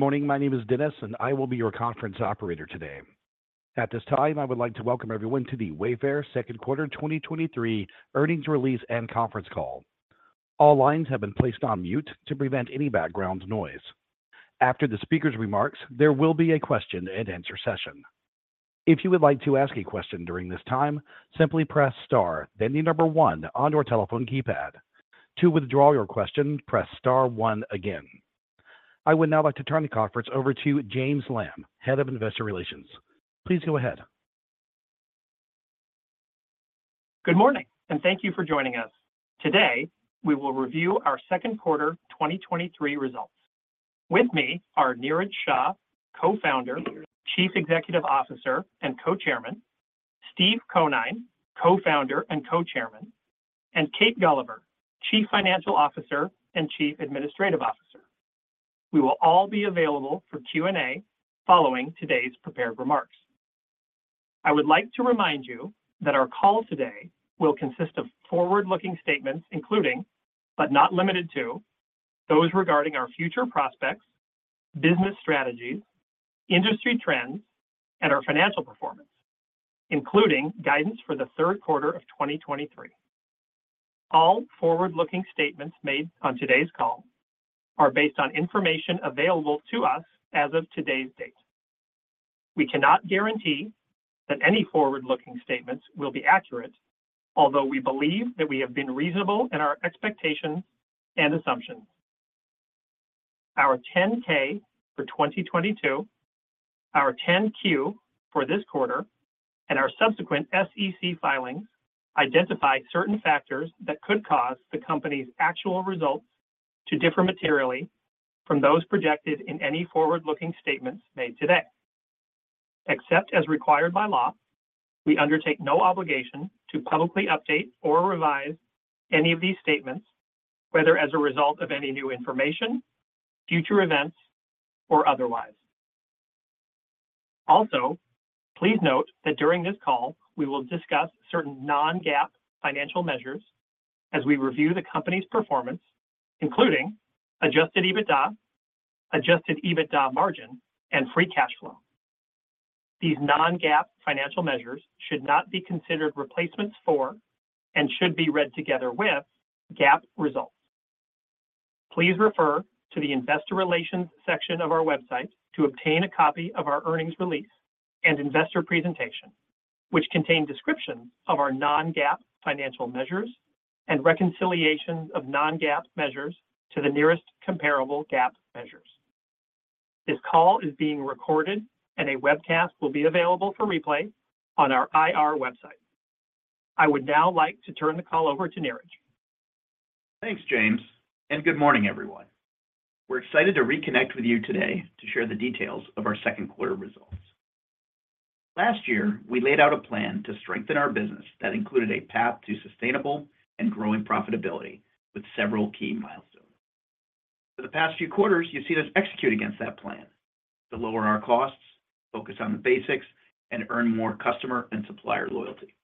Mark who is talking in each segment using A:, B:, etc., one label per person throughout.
A: Good morning. My name is Dennis, and I will be your conference operator today. At this time, I would like to welcome everyone to the Wayfair Second Quarter 2023 Earnings Release and Conference Call. All lines have been placed on mute to prevent any background noise. After the speaker's remarks, there will be a question and answer session. If you would like to ask a question during this time, simply press star, then the number one on your telephone keypad. To withdraw your question, press star one again. I would now like to turn the conference over to James Lamb, Head of Investor Relations. Please go ahead.
B: Good morning, and thank you for joining us. Today, we will review our second quarter 2023 results. With me are Niraj Shah, Co-founder, Chief Executive Officer, and Co-chairman, Steve Conine, Co-founder and Co-chairman, and Kate Gulliver, Chief Financial Officer and Chief Administrative Officer. We will all be available for Q&A following today's prepared remarks. I would like to remind you that our call today will consist of forward-looking statements, including, but not limited to, those regarding our future prospects, business strategies, industry trends, and our financial performance, including guidance for the third quarter of 2023. All forward looking statements made on today's call are based on information available to us as of today's date. We cannot guarantee that any forward-looking statements will be accurate, although we believe that we have been reasonable in our expectations and assumptions. Our 10K for 2022, our 10Q for this quarter, and our subsequent SEC filings identify certain factors that could cause the company's actual results to differ materially from those projected in any forward looking statements made today. Except as required by law, we undertake no obligation to publicly update or revise any of these statements, whether as a result of any new information, future events, or otherwise. Also, please note that during this call, we will discuss certain non-GAAP financial measures as we review the company's performance, including Adjusted EBITDA, Adjusted EBITDA margin, and free cash flow. These non-GAAP financial measures should not be considered replacements for and should be read together with GAAP results. Please refer to the Investor Relations section of our website to obtain a copy of our earnings release and investor presentation, which contain descriptions of our non-GAAP financial measures and reconciliation of non-GAAP measures to the nearest comparable GAAP measures. This call is being recorded, and a webcast will be available for replay on our IR website. I would now like to turn the call over to Niraj.
C: Thanks, James, and good morning, everyone. We're excited to reconnect with you today to share the details of our second quarter results. Last year, we laid out a plan to strengthen our business that included a path to sustainable and growing profitability with several key milestones. For the past few quarters, you've seen us execute against that plan to lower our costs, focus on the basics, and earn more customer and supplier loyalty,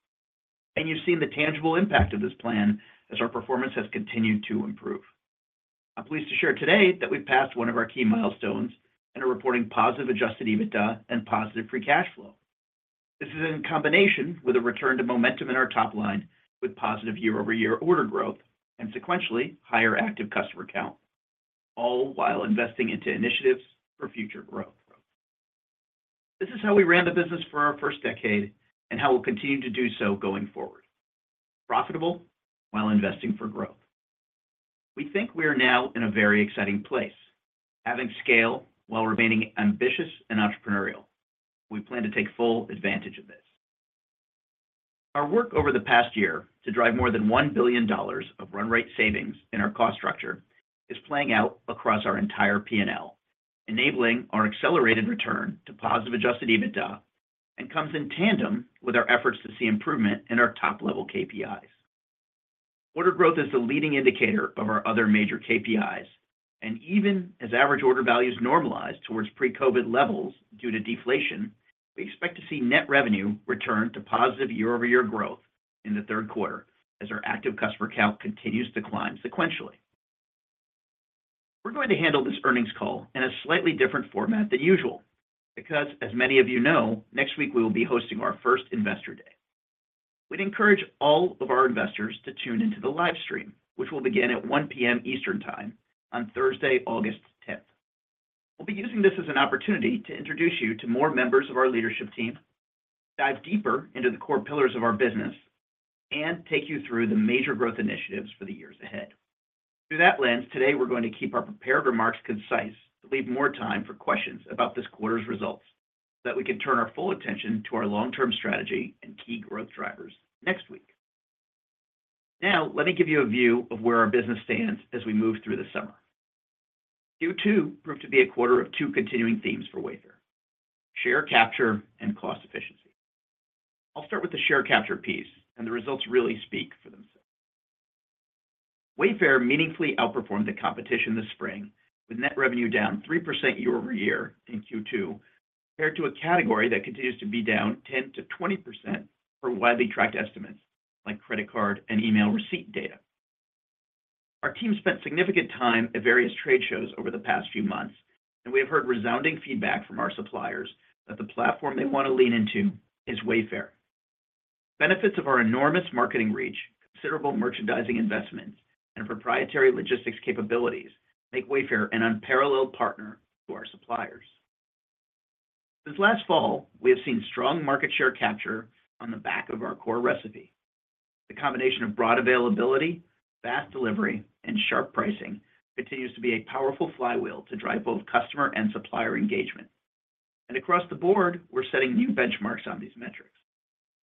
C: and you've seen the tangible impact of this plan as our performance has continued to improve. I'm pleased to share today that we've passed one of our key milestones and are reporting positive Adjusted EBITDA and positive free cash flow. This is in combination with a return to momentum in our top line, with positive year-over-year order growth and sequentially higher active customer count, all while investing into initiatives for future growth. This is how we ran the business for our first decade and how we'll continue to do so going forward, profitable while investing for growth. We think we are now in a very exciting place, having scale while remaining ambitious and entrepreneurial. We plan to take full advantage of this. Our work over the past year to drive more than $1 billion of run rate savings in our cost structure is playing out across our entire P&L, enabling our accelerated return to positive Adjusted EBITDA and comes in tandem with our efforts to see improvement in our top level KPIs. Order growth is the leading indicator of our other major KPIs, and even as average order values normalize towards pre-COVID levels due to deflation, we expect to see net revenue return to positive year-over-year growth in the third quarter as our active customer count continues to climb sequentially. We're going to handle this earnings call in a slightly different format than usual, because, as many of you know, next week we will be hosting our first Investor Day. We'd encourage all of our investors to tune into the live stream, which will begin at 1:00 P.M. Eastern Time on Thursday, August 10th. We'll be using this as an opportunity to introduce you to more members of our leadership team, dive deeper into the core pillars of our business, and take you through the major growth initiatives for the years ahead. Through that lens, today, we're going to keep our prepared remarks concise, to leave more time for questions about this quarter's results, so that we can turn our full attention to our long term strategy and key growth drivers next week. Now, let me give you a view of where our business stands as we move through the summer. Q2 proved to be a quarter of two continuing themes for Wayfair: share capture and cost efficiency. I'll start with the share capture piece. The results really speak for themselves. Wayfair meaningfully outperformed the competition this spring, with net revenue down 3% year-over-year in Q2, compared to a category that continues to be down 10%-20% for widely tracked estimates, like credit card and email receipt data. Our team spent significant time at various trade shows over the past few months, and we have heard resounding feedback from our suppliers that the platform they want to lean into is Wayfair. Benefits of our enormous marketing reach, considerable merchandising investments, and proprietary logistics capabilities make Wayfair an unparalleled partner to our suppliers. Since last fall, we have seen strong market share capture on the back of our core recipe. The combination of broad availability, fast delivery, and sharp pricing continues to be a powerful flywheel to drive both customer and supplier engagement. Across the board, we're setting new benchmarks on these metrics.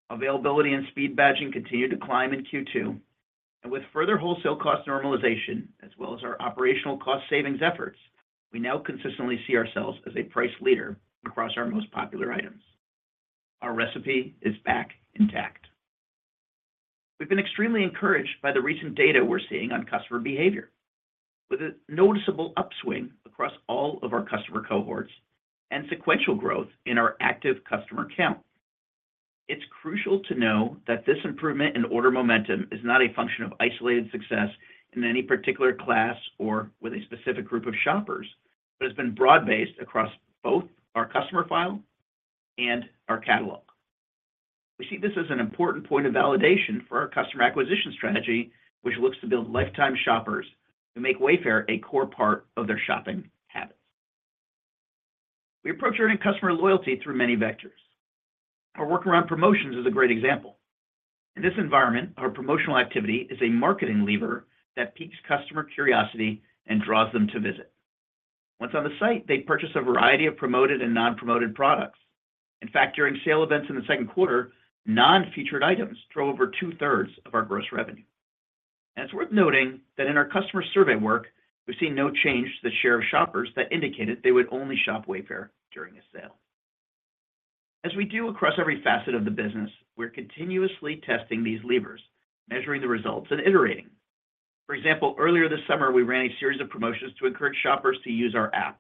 C: Availability and speed badging continued to climb in Q2, and with further wholesale cost normalization, as well as our operational cost savings efforts, we now consistently see ourselves as a price leader across our most popular items. Our recipe is back intact. We've been extremely encouraged by the recent data we're seeing on customer behavior, with a noticeable upswing across all of our customer cohorts and sequential growth in our active customer count. It's crucial to know that this improvement in order momentum is not a function of isolated success in any particular class or with a specific group of shoppers, but has been broad-based across both our customer file and our catalog. We see this as an important point of validation for our customer acquisition strategy, which looks to build lifetime shoppers who make Wayfair a core part of their shopping habits. We approach earning customer loyalty through many vectors. Our work around promotions is a great example. In this environment, our promotional activity is a marketing lever that piques customer curiosity and draws them to visit. Once on the site, they purchase a variety of promoted and non-promoted products. In fact, during sale events in the second quarter, non-featured items drove over two-thirds of our gross revenue. It's worth noting that in our customer survey work, we've seen no change to the share of shoppers that indicated they would only shop Wayfair during a sale. As we do across every facet of the business, we're continuously testing these levers, measuring the results, and iterating. For example, earlier this summer, we ran a series of promotions to encourage shoppers to use our app,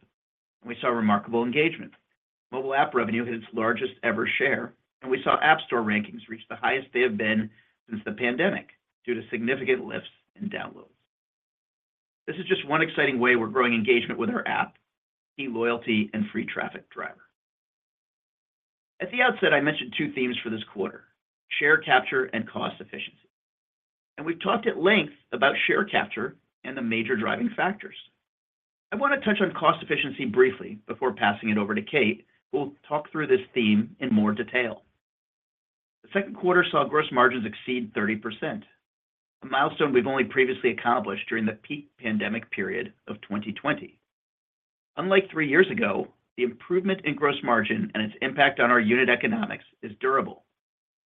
C: we saw remarkable engagement. Mobile app revenue hit its largest-ever share, and we saw App Store rankings reach the highest they have been since the pandemic due to significant lifts in downloads. This is just one exciting way we're growing engagement with our app, key loyalty, and free traffic driver. At the outset, I mentioned two themes for this quarter: share capture and cost efficiency. we've talked at length about share capture and the major driving factors. I want to touch on cost efficiency briefly before passing it over to Kate, who will talk through this theme in more detail. The second quarter saw gross margins exceed 30%, a milestone we've only previously accomplished during the peak pandemic period of 2020. Unlike three years ago, the improvement in gross margin and its impact on our unit economics is durable,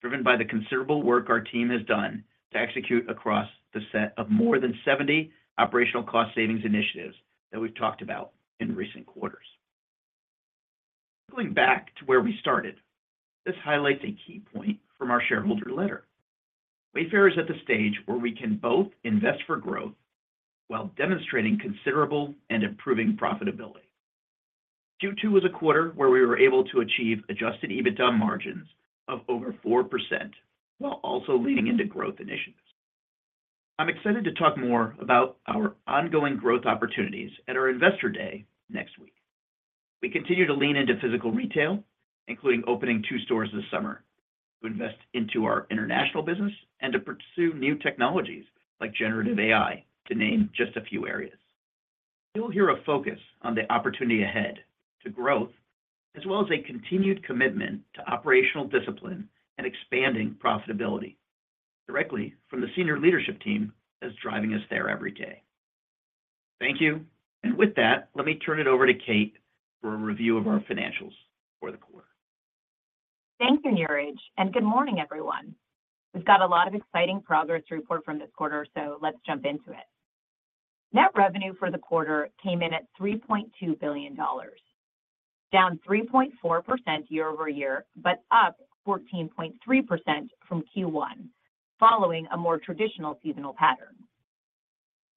C: driven by the considerable work our team has done to execute across the set of more than 70 operational cost savings initiatives that we've talked about in recent quarters. Going back to where we started, this highlights a key point from our shareholder letter. Wayfair is at the stage where we can both invest for growth while demonstrating considerable and improving profitability. Q2 was a quarter where we were able to achieve Adjusted EBITDA margins of over 4% while also leaning into growth initiatives. I'm excited to talk more about our ongoing growth opportunities at our Investor Day next week. We continue to lean into physical retail, including opening two stores this summer, to invest into our international business and to pursue new technologies like generative AI, to name just a few areas. You'll hear a focus on the opportunity ahead to growth, as well as a continued commitment to operational discipline and expanding profitability directly from the senior leadership team that's driving us there every day. Thank you. With that, let me turn it over to Kate for a review of our financials for the quarter.
D: Thanks, Niraj, and good morning, everyone. We've got a lot of exciting progress to report from this quarter, so let's jump into it. Net revenue for the quarter came in at $3.2 billion, down 3.4% year-over-year, but up 14.3% from Q1, following a more traditional seasonal pattern.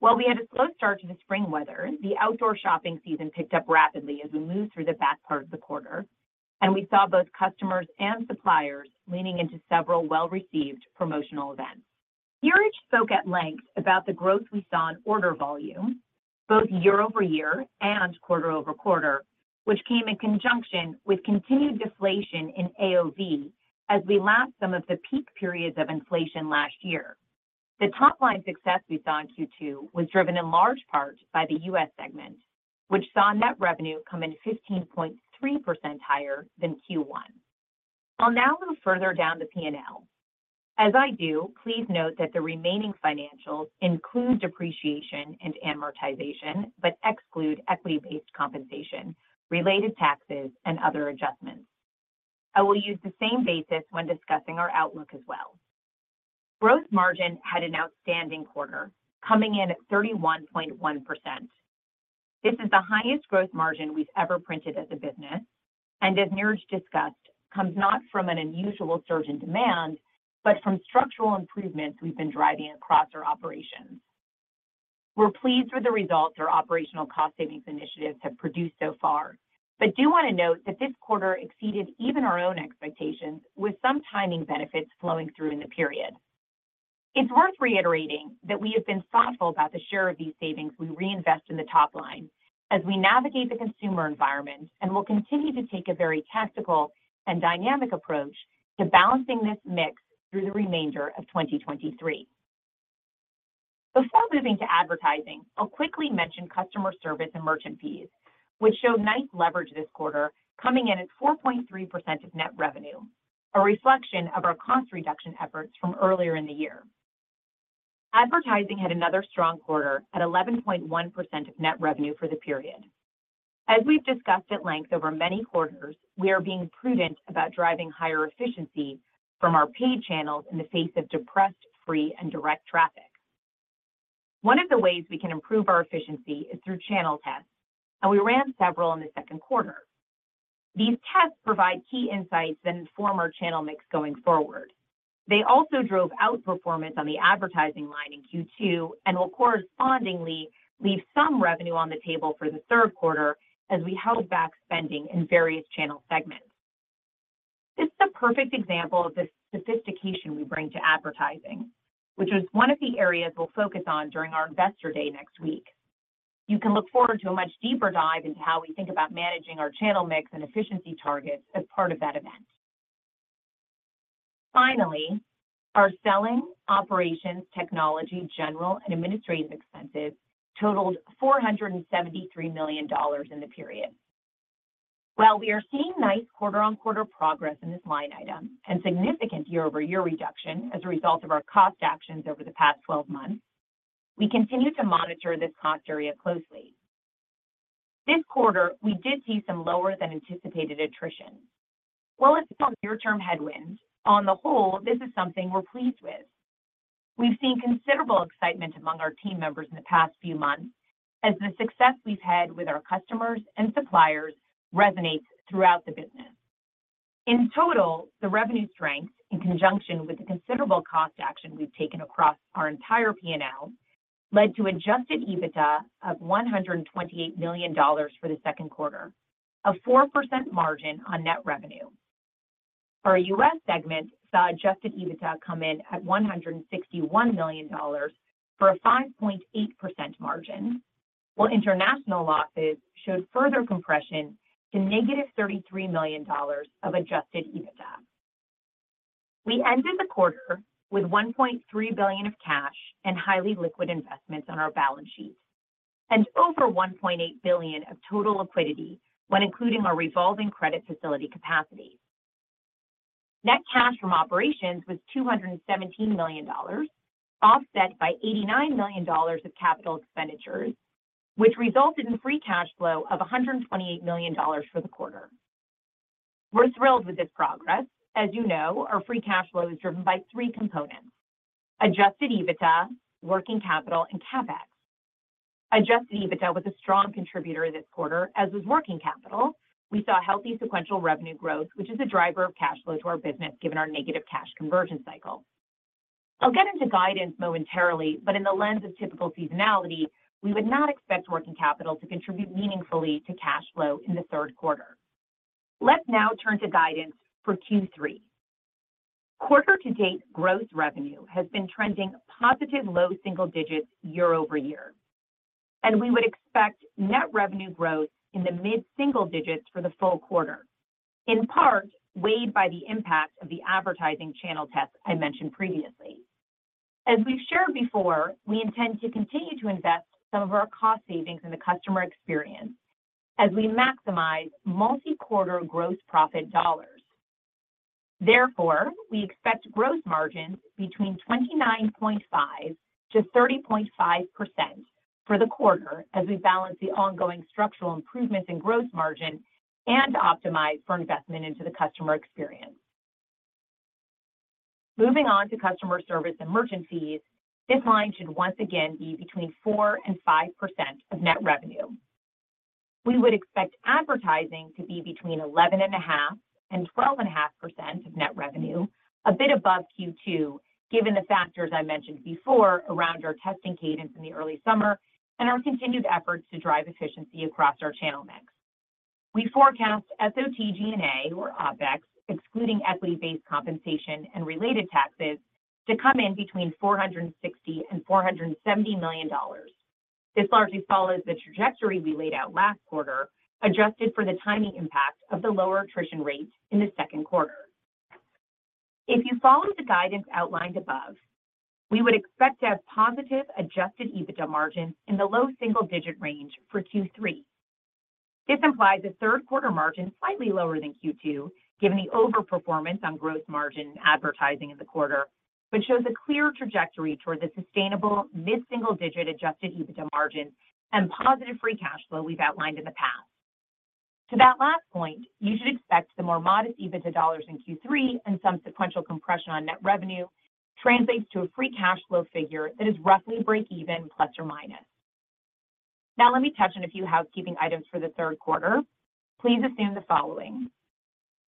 D: While we had a slow start to the spring weather, the outdoor shopping season picked up rapidly as we moved through the back part of the quarter, and we saw both customers and suppliers leaning into several well-received promotional events. Niraj spoke at length about the growth we saw in order volume, both year-over-year and quarter-over-quarter, which came in conjunction with continued deflation in AOV as we lapped some of the peak periods of inflation last year. The top line success we saw in Q2 was driven in large part by the U.S. segment, which saw net revenue come in 15.3% higher than Q1. I'll now move further down the P&L. As I do, please note that the remaining financials include depreciation and amortization, but exclude equity-based compensation, related taxes, and other adjustments. I will use the same basis when discussing our outlook as well. Gross margin had an outstanding quarter, coming in at 31.1%. This is the highest gross margin we've ever printed as a business, and as Niraj discussed, comes not from an unusual surge in demand, but from structural improvements we've been driving across our operations.... We're pleased with the results our operational cost savings initiatives have produced so far, but do want to note that this quarter exceeded even our own expectations, with some timing benefits flowing through in the period. It's worth reiterating that we have been thoughtful about the share of these savings we reinvest in the top line as we navigate the consumer environment, and we'll continue to take a very tactical and dynamic approach to balancing this mix through the remainder of 2023. Before moving to advertising, I'll quickly mention customer service and merchant fees, which showed nice leverage this quarter, coming in at 4.3% of net revenue, a reflection of our cost reduction efforts from earlier in the year. Advertising had another strong quarter at 11.1% of net revenue for the period. As we've discussed at length over many quarters, we are being prudent about driving higher efficiency from our paid channels in the face of depressed, free, and direct traffic. We ran several in the second quarter. These tests provide key insights that inform our channel mix going forward. They also drove outperformance on the advertising line in Q2 and will correspondingly leave some revenue on the table for the third quarter as we held back spending in various channel segments. This is a perfect example of the sophistication we bring to advertising, which is one of the areas we'll focus on during our Investor Day next week. You can look forward to a much deeper dive into how we think about managing our channel mix and efficiency targets as part of that event. Our selling, operations, technology, general, and administrative expenses totaled $473 million in the period. While we are seeing nice quarter on quarter progress in this line item and significant year-over-year reduction as a result of our cost actions over the past 12 months, we continue to monitor this cost area closely. This quarter, we did see some lower than anticipated attrition. While it's a near-term headwind, on the whole, this is something we're pleased with. We've seen considerable excitement among our team members in the past three months as the success we've had with our customers and suppliers resonates throughout the business. The revenue strength, in conjunction with the considerable cost action we've taken across our entire P&L, led to Adjusted EBITDA of $128 million for the second quarter, a 4% margin on net revenue. Our U.S. segment saw Adjusted EBITDA come in at $161 million for a 5.8% margin, while international losses showed further compression to negative $33 million of Adjusted EBITDA. We ended the quarter with $1.3 billion of cash and highly liquid investments on our balance sheet, and over $1.8 billion of total liquidity when including our revolving credit facility capacity. Net cash from operations was $217 million, offset by $89 million of capital expenditures, which resulted in free cash flow of $128 million for the quarter. We're thrilled with this progress. As you know, our free cash flow is driven by three components: Adjusted EBITDA, working capital, and CapEx. Adjusted EBITDA was a strong contributor this quarter, as was working capital. We saw healthy sequential revenue growth, which is a driver of cash flow to our business, given our negative cash conversion cycle. I'll get into guidance momentarily, but in the lens of typical seasonality, we would not expect working capital to contribute meaningfully to cash flow in the third quarter. Let's now turn to guidance for Q3. Quarter to date, gross revenue has been trending positive, low single digits year-over-year, and we would expect net revenue growth in the mid single digits for the full quarter, in part weighed by the impact of the advertising channel tests I mentioned previously. As we've shared before, we intend to continue to invest some of our cost savings in the customer experience as we maximize multi-quarter gross profit dollars. Therefore, we expect gross margins between 29.5%-30.5% for the quarter as we balance the ongoing structural improvements in gross margin and optimize for investment into the customer experience. Moving on to customer service and merchant fees, this line should once again be between 4% and 5% of net revenue. We would expect advertising to be between 11.5% and 12.5% of net revenue, a bit above Q2, given the factors I mentioned before around our testing cadence in the early summer and our continued efforts to drive efficiency across our channel mix. We forecast SOTG&A or OpEx, excluding equity-based compensation and related taxes, to come in between $460 million and $470 million. This largely follows the trajectory we laid out last quarter, adjusted for the timing impact of the lower attrition rate in the second quarter. If you follow the guidance outlined above, we would expect to have positive Adjusted EBITDA margin in the low single digit range for Q3. This implies a third quarter margin slightly lower than Q2, given the overperformance on gross margin and advertising in the quarter, but shows a clear trajectory toward the sustainable mid-single digit Adjusted EBITDA margin and positive free cash flow we've outlined in the past. To that last point, you should expect the more modest EBITDA dollars in Q3 and some sequential compression on net revenue translates to a free cash flow figure that is roughly break even, ±. Let me touch on a few housekeeping items for the third quarter. Please assume the following: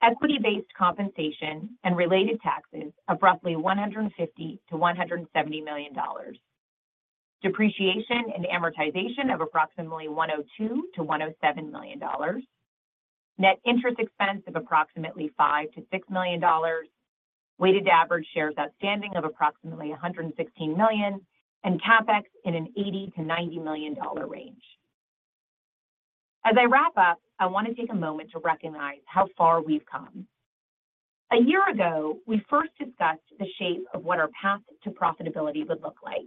D: equity-based compensation and related taxes of roughly $150 million-$170 million, depreciation and amortization of approximately $102 million-$107 million, net interest expense of approximately $5 million-$6 million, weighted average shares outstanding of approximately 116 million, and CapEx in an $80 million-$90 million range. As I wrap up, I want to take a moment to recognize how far we've come. A year ago, we first discussed the shape of what our path to profitability would look like,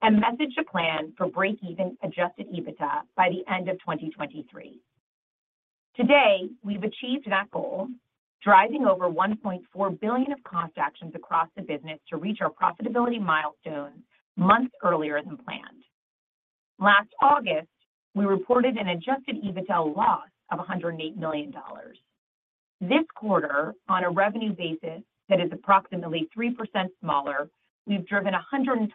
D: and messaged a plan for break-even Adjusted EBITDA by the end of 2023. Today, we've achieved that goal, driving over $1.4 billion of cost actions across the business to reach our profitability milestone months earlier than planned. Last August, we reported an Adjusted EBITDA loss of $108 million. This quarter, on a revenue basis that is approximately 3% smaller, we've driven $128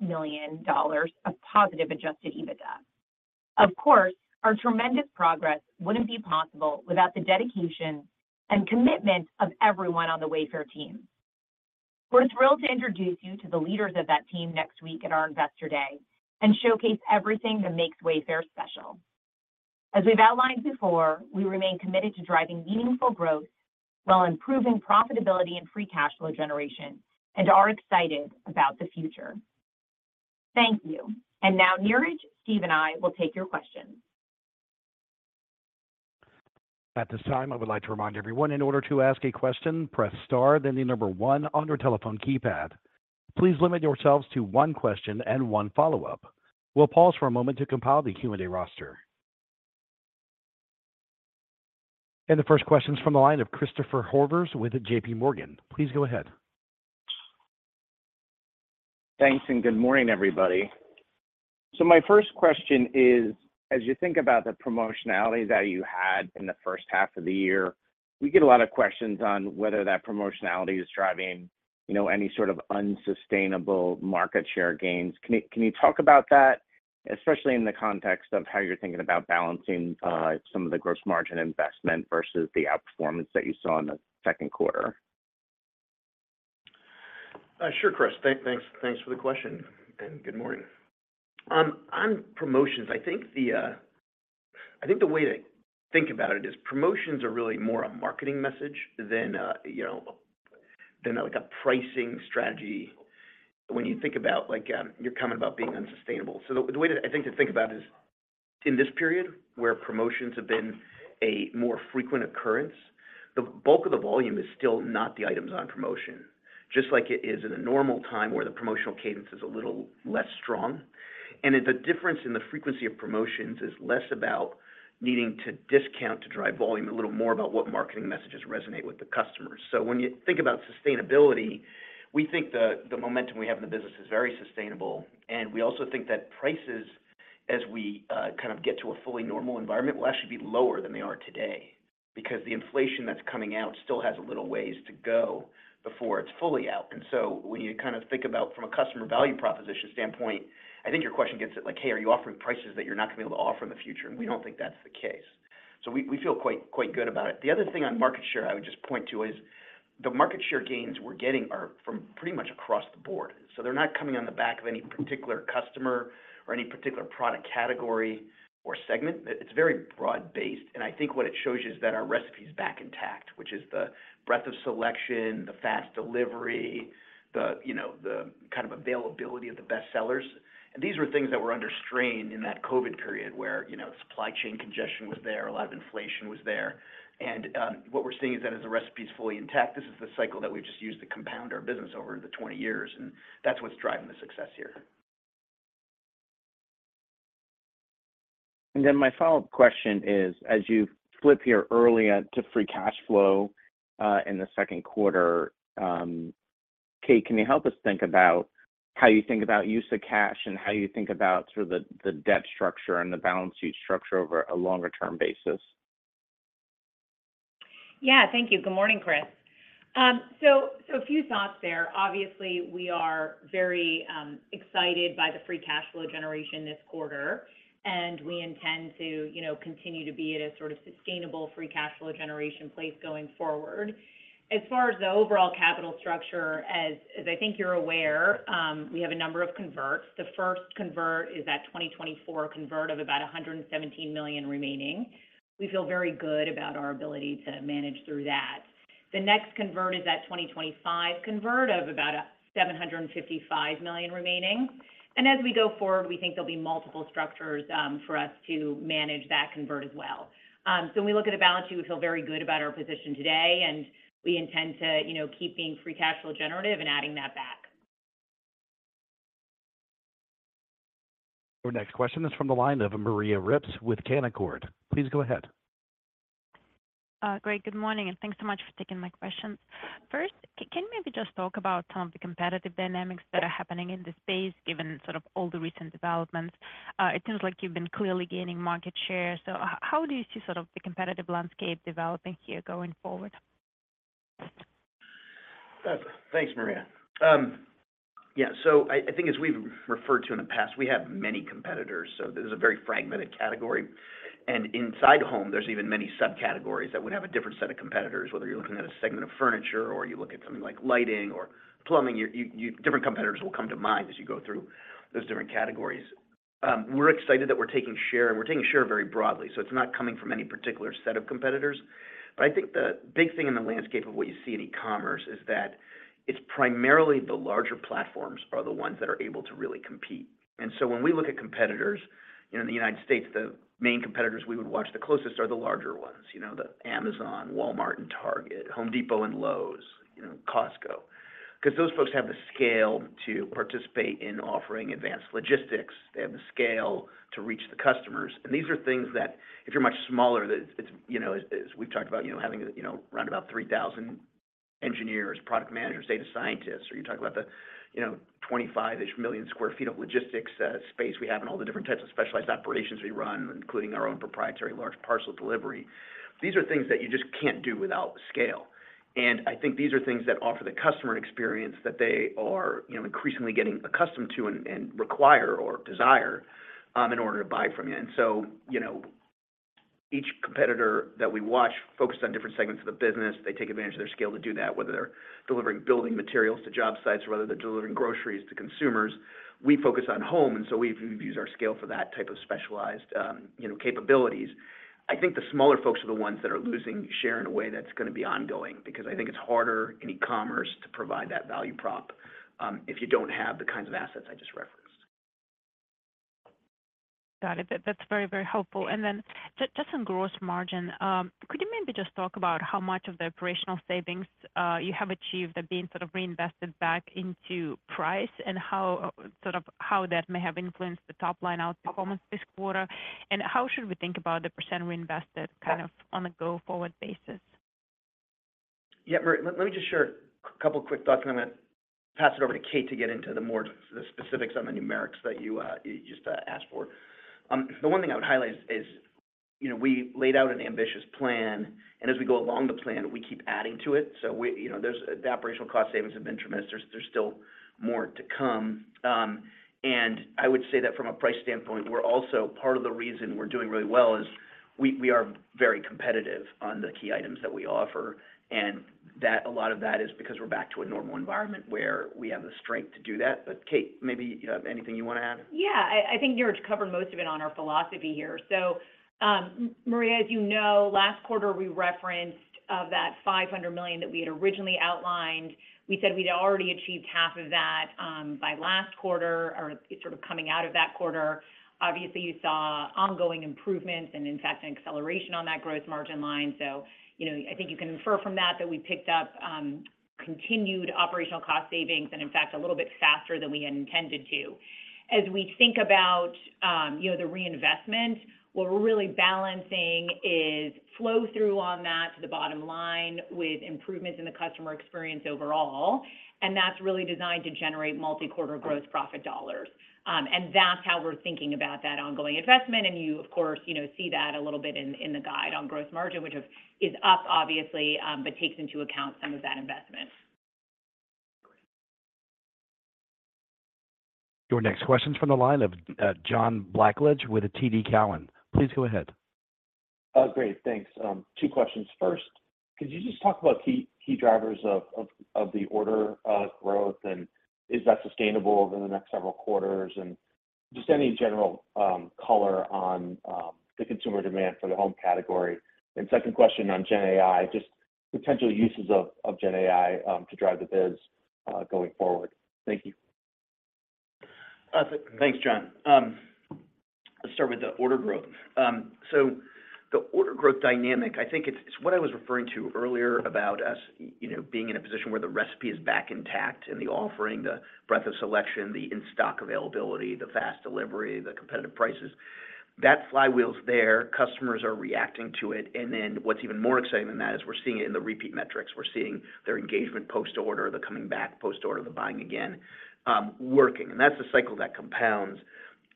D: million of positive Adjusted EBITDA. Of course, our tremendous progress wouldn't be possible without the dedication and commitment of everyone on the Wayfair team. We're thrilled to introduce you to the leaders of that team next week at our Investor Day and showcase everything that makes Wayfair special. As we've outlined before, we remain committed to driving meaningful growth while improving profitability and free cash flow generation, and are excited about the future. Thank you. Now, Niraj, Steve, and I will take your questions.
A: At this time, I would like to remind everyone, in order to ask a question, press star, then the number one on your telephone keypad. Please limit yourselves to one question and one follow up. We'll pause for a moment to compile the Q&A roster. The first question is from the line of Christopher Horvers with JPMorgan. Please go ahead.
E: Thanks, and good morning, everybody. My first question is, as you think about the promotionality that you had in the first half of the year, we get a lot of questions on whether that promotionality is driving, you know, any sort of unsustainable market share gains. Can you, can you talk about that, especially in the context of how you're thinking about balancing some of the gross margin investment versus the outperformance that you saw in the second quarter?
C: Sure, Chris. Thank, thanks, thanks for the question, good morning. On promotions, I think the, I think the way to think about it is promotions are really more a marketing message than, you know, than, like, a pricing strategy. When you think about, like, you're commenting about being unsustainable. The way that I think to think about is, in this period where promotions have been a more frequent occurrence, the bulk of the volume is still not the items on promotion, just like it is in a normal time where the promotional cadence is a little less strong. The difference in the frequency of promotions is less about needing to discount to drive volume, a little more about what marketing messages resonate with the customers. When you think about sustainability, we think the momentum we have in the business is very sustainable, and we also think that prices, as we kind of get to a fully normal environment, will actually be lower than they are today, because the inflation that's coming out still has a little ways to go before it's fully out. When you kind of think about from a customer value proposition standpoint, I think your question gets at like, "Hey, are you offering prices that you're not going to be able to offer in the future?" We don't think that's the case. We, we feel quite, quite good about it. The other thing on market share I would just point to is, the market share gains we're getting are from pretty much across the board. They're not coming on the back of any particular customer or any particular product category or segment. It's very broad-based, and I think what it shows you is that our recipe is back intact, which is the breadth of selection, the fast delivery, the, you know, the kind of availability of the best sellers. These were things that were under strain in that COVID period, where, you know, supply chain congestion was there, a lot of inflation was there. What we're seeing is that as the recipe is fully intact, this is the cycle that we've just used to compound our business over the 20 years, and that's what's driving the success here.
E: Then my follow up question is, as you flip here early to free cash flow, in the second quarter, Kate, can you help us think about how you think about use of cash and how you think about sort of the, the debt structure and the balance sheet structure over a longer term basis?
D: Yeah. Thank you. Good morning, Chris. So a few thoughts there. Obviously, we are very excited by the free cash flow generation this quarter, and we intend to, you know, continue to be at a sort of sustainable free cash flow generation place going forward. As far as the overall capital structure, as, as I think you're aware, we have a number of converts. The first convert is that 2024 convert of about $117 million remaining. We feel very good about our ability to manage through that. The next convert is that 2025 convert of about $755 million remaining. As we go forward, we think there'll be multiple structures, for us to manage that convert as well. When we look at a balance sheet, we feel very good about our position today, and we intend to, you know, keeping free cash flow generative and adding that back.
A: Our next question is from the line of Maria Ripps with Canaccord. Please go ahead.
F: Great. Good morning, and thanks so much for taking my question. First, can you maybe just talk about some of the competitive dynamics that are happening in the space, given sort of all the recent developments? It seems like you've been clearly gaining market share. How do you see sort of the competitive landscape developing here going forward? ...
C: Thanks, Maria. Yeah, so I, I think as we've referred to in the past, we have many competitors, so this is a very fragmented category. Inside home, there's even many subcategories that would have a different set of competitors, whether you're looking at a segment of furniture or you look at something like lighting or plumbing, you, different competitors will come to mind as you go through those different categories. We're excited that we're taking share, and we're taking share very broadly, so it's not coming from any particular set of competitors. I think the big thing in the landscape of what you see in e-commerce is that it's primarily the larger platforms are the ones that are able to really compete. When we look at competitors, you know, in the United States, the main competitors we would watch the closest are the larger ones, you know, the Amazon, Walmart, and Target, Home Depot and Lowe's, you know, Costco. Those folks have the scale to participate in offering advanced logistics. They have the scale to reach the customers, and these are things that if you're much smaller, that it's, you know, as, as we've talked about, you know, having, you know, around about 3,000 engineers, product managers, data scientists, or you talk about the, you know, 25 ish million sq ft of logistics space we have and all the different types of specialized operations we run, including our own proprietary large parcel delivery. These are things that you just can't do without scale, and I think these are things that offer the customer an experience that they are, you know, increasingly getting accustomed to and, and require or desire, in order to buy from you. So, you know, each competitor that we watch focuses on different segments of the business. They take advantage of their scale to do that, whether they're delivering building materials to job sites or whether they're delivering groceries to consumers. We focus on home, and so we've used our scale for that type of specialized, you know, capabilities. I think the smaller folks are the ones that are losing share in a way that's gonna be ongoing, because I think it's harder in e-commerce to provide that value prop, if you don't have the kinds of assets I just referenced.
F: Got it. That's very, very helpful. Just on gross margin, could you maybe just talk about how much of the operational savings you have achieved are being sort of reinvested back into price, how, sort of, how that may have influenced the top line out performance this quarter, and how should we think about the percentage reinvested kind of on a go forward basis?
C: Yeah, Maria, let me just share a couple quick thoughts, and I'm going to pass it over to Kate to get into the more, the specifics on the numerics that you, you just asked for. The one thing I would highlight is, you know, we laid out an ambitious plan, and as we go along the plan, we keep adding to it. We, you know, the operational cost savings have been tremendous. There's, there's still more to come. I would say that from a price standpoint, we're also, part of the reason we're doing really well is we, we are very competitive on the key items that we offer, and a lot of that is because we're back to a normal environment where we have the strength to do that. Kate, maybe you have anything you want to add?
D: Yeah, I, I think Niraj covered most of it on our philosophy here. Maria, as you know, last quarter, we referenced that $500 million that we had originally outlined. We said we'd already achieved half of that by last quarter, or sort of coming out of that quarter. Obviously, you saw ongoing improvements and, in fact, an acceleration on that gross margin line. You know, I think you can infer from that, that we picked up continued operational cost savings and in fact, a little bit faster than we had intended to. As we think about, you know, the reinvestment, what we're really balancing is flow through on that to the bottom line with improvements in the customer experience overall, and that's really designed to generate multi-quarter growth profit dollars. That's how we're thinking about that ongoing investment. You, of course, you know, see that a little bit in, in the guide on gross margin, which is, is up obviously, but takes into account some of that investment.
A: Your next question is from the line of John Blackledge with the TD Cowen. Please go ahead.
G: Great, thanks. Two questions. First, could you just talk about key, key drivers of, of, of the order, growth, and is that sustainable over the next several quarters? Just any general, color on, the consumer demand for the home category. Second question on Gen AI, just potential uses of, of Gen AI, to drive the biz going forward. Thank you.
C: Thanks, John. Let's start with the order growth. The order growth dynamic, I think it's, it's what I was referring to earlier about us, you know, being in a position where the recipe is back intact and the offering, the breadth of selection, the in-stock availability, the fast delivery, the competitive prices. That flywheel is there, customers are reacting to it. What's even more exciting than that is we're seeing it in the repeat metrics. We're seeing their engagement post order, the coming back post order, the buying again, working. That's a cycle that compounds,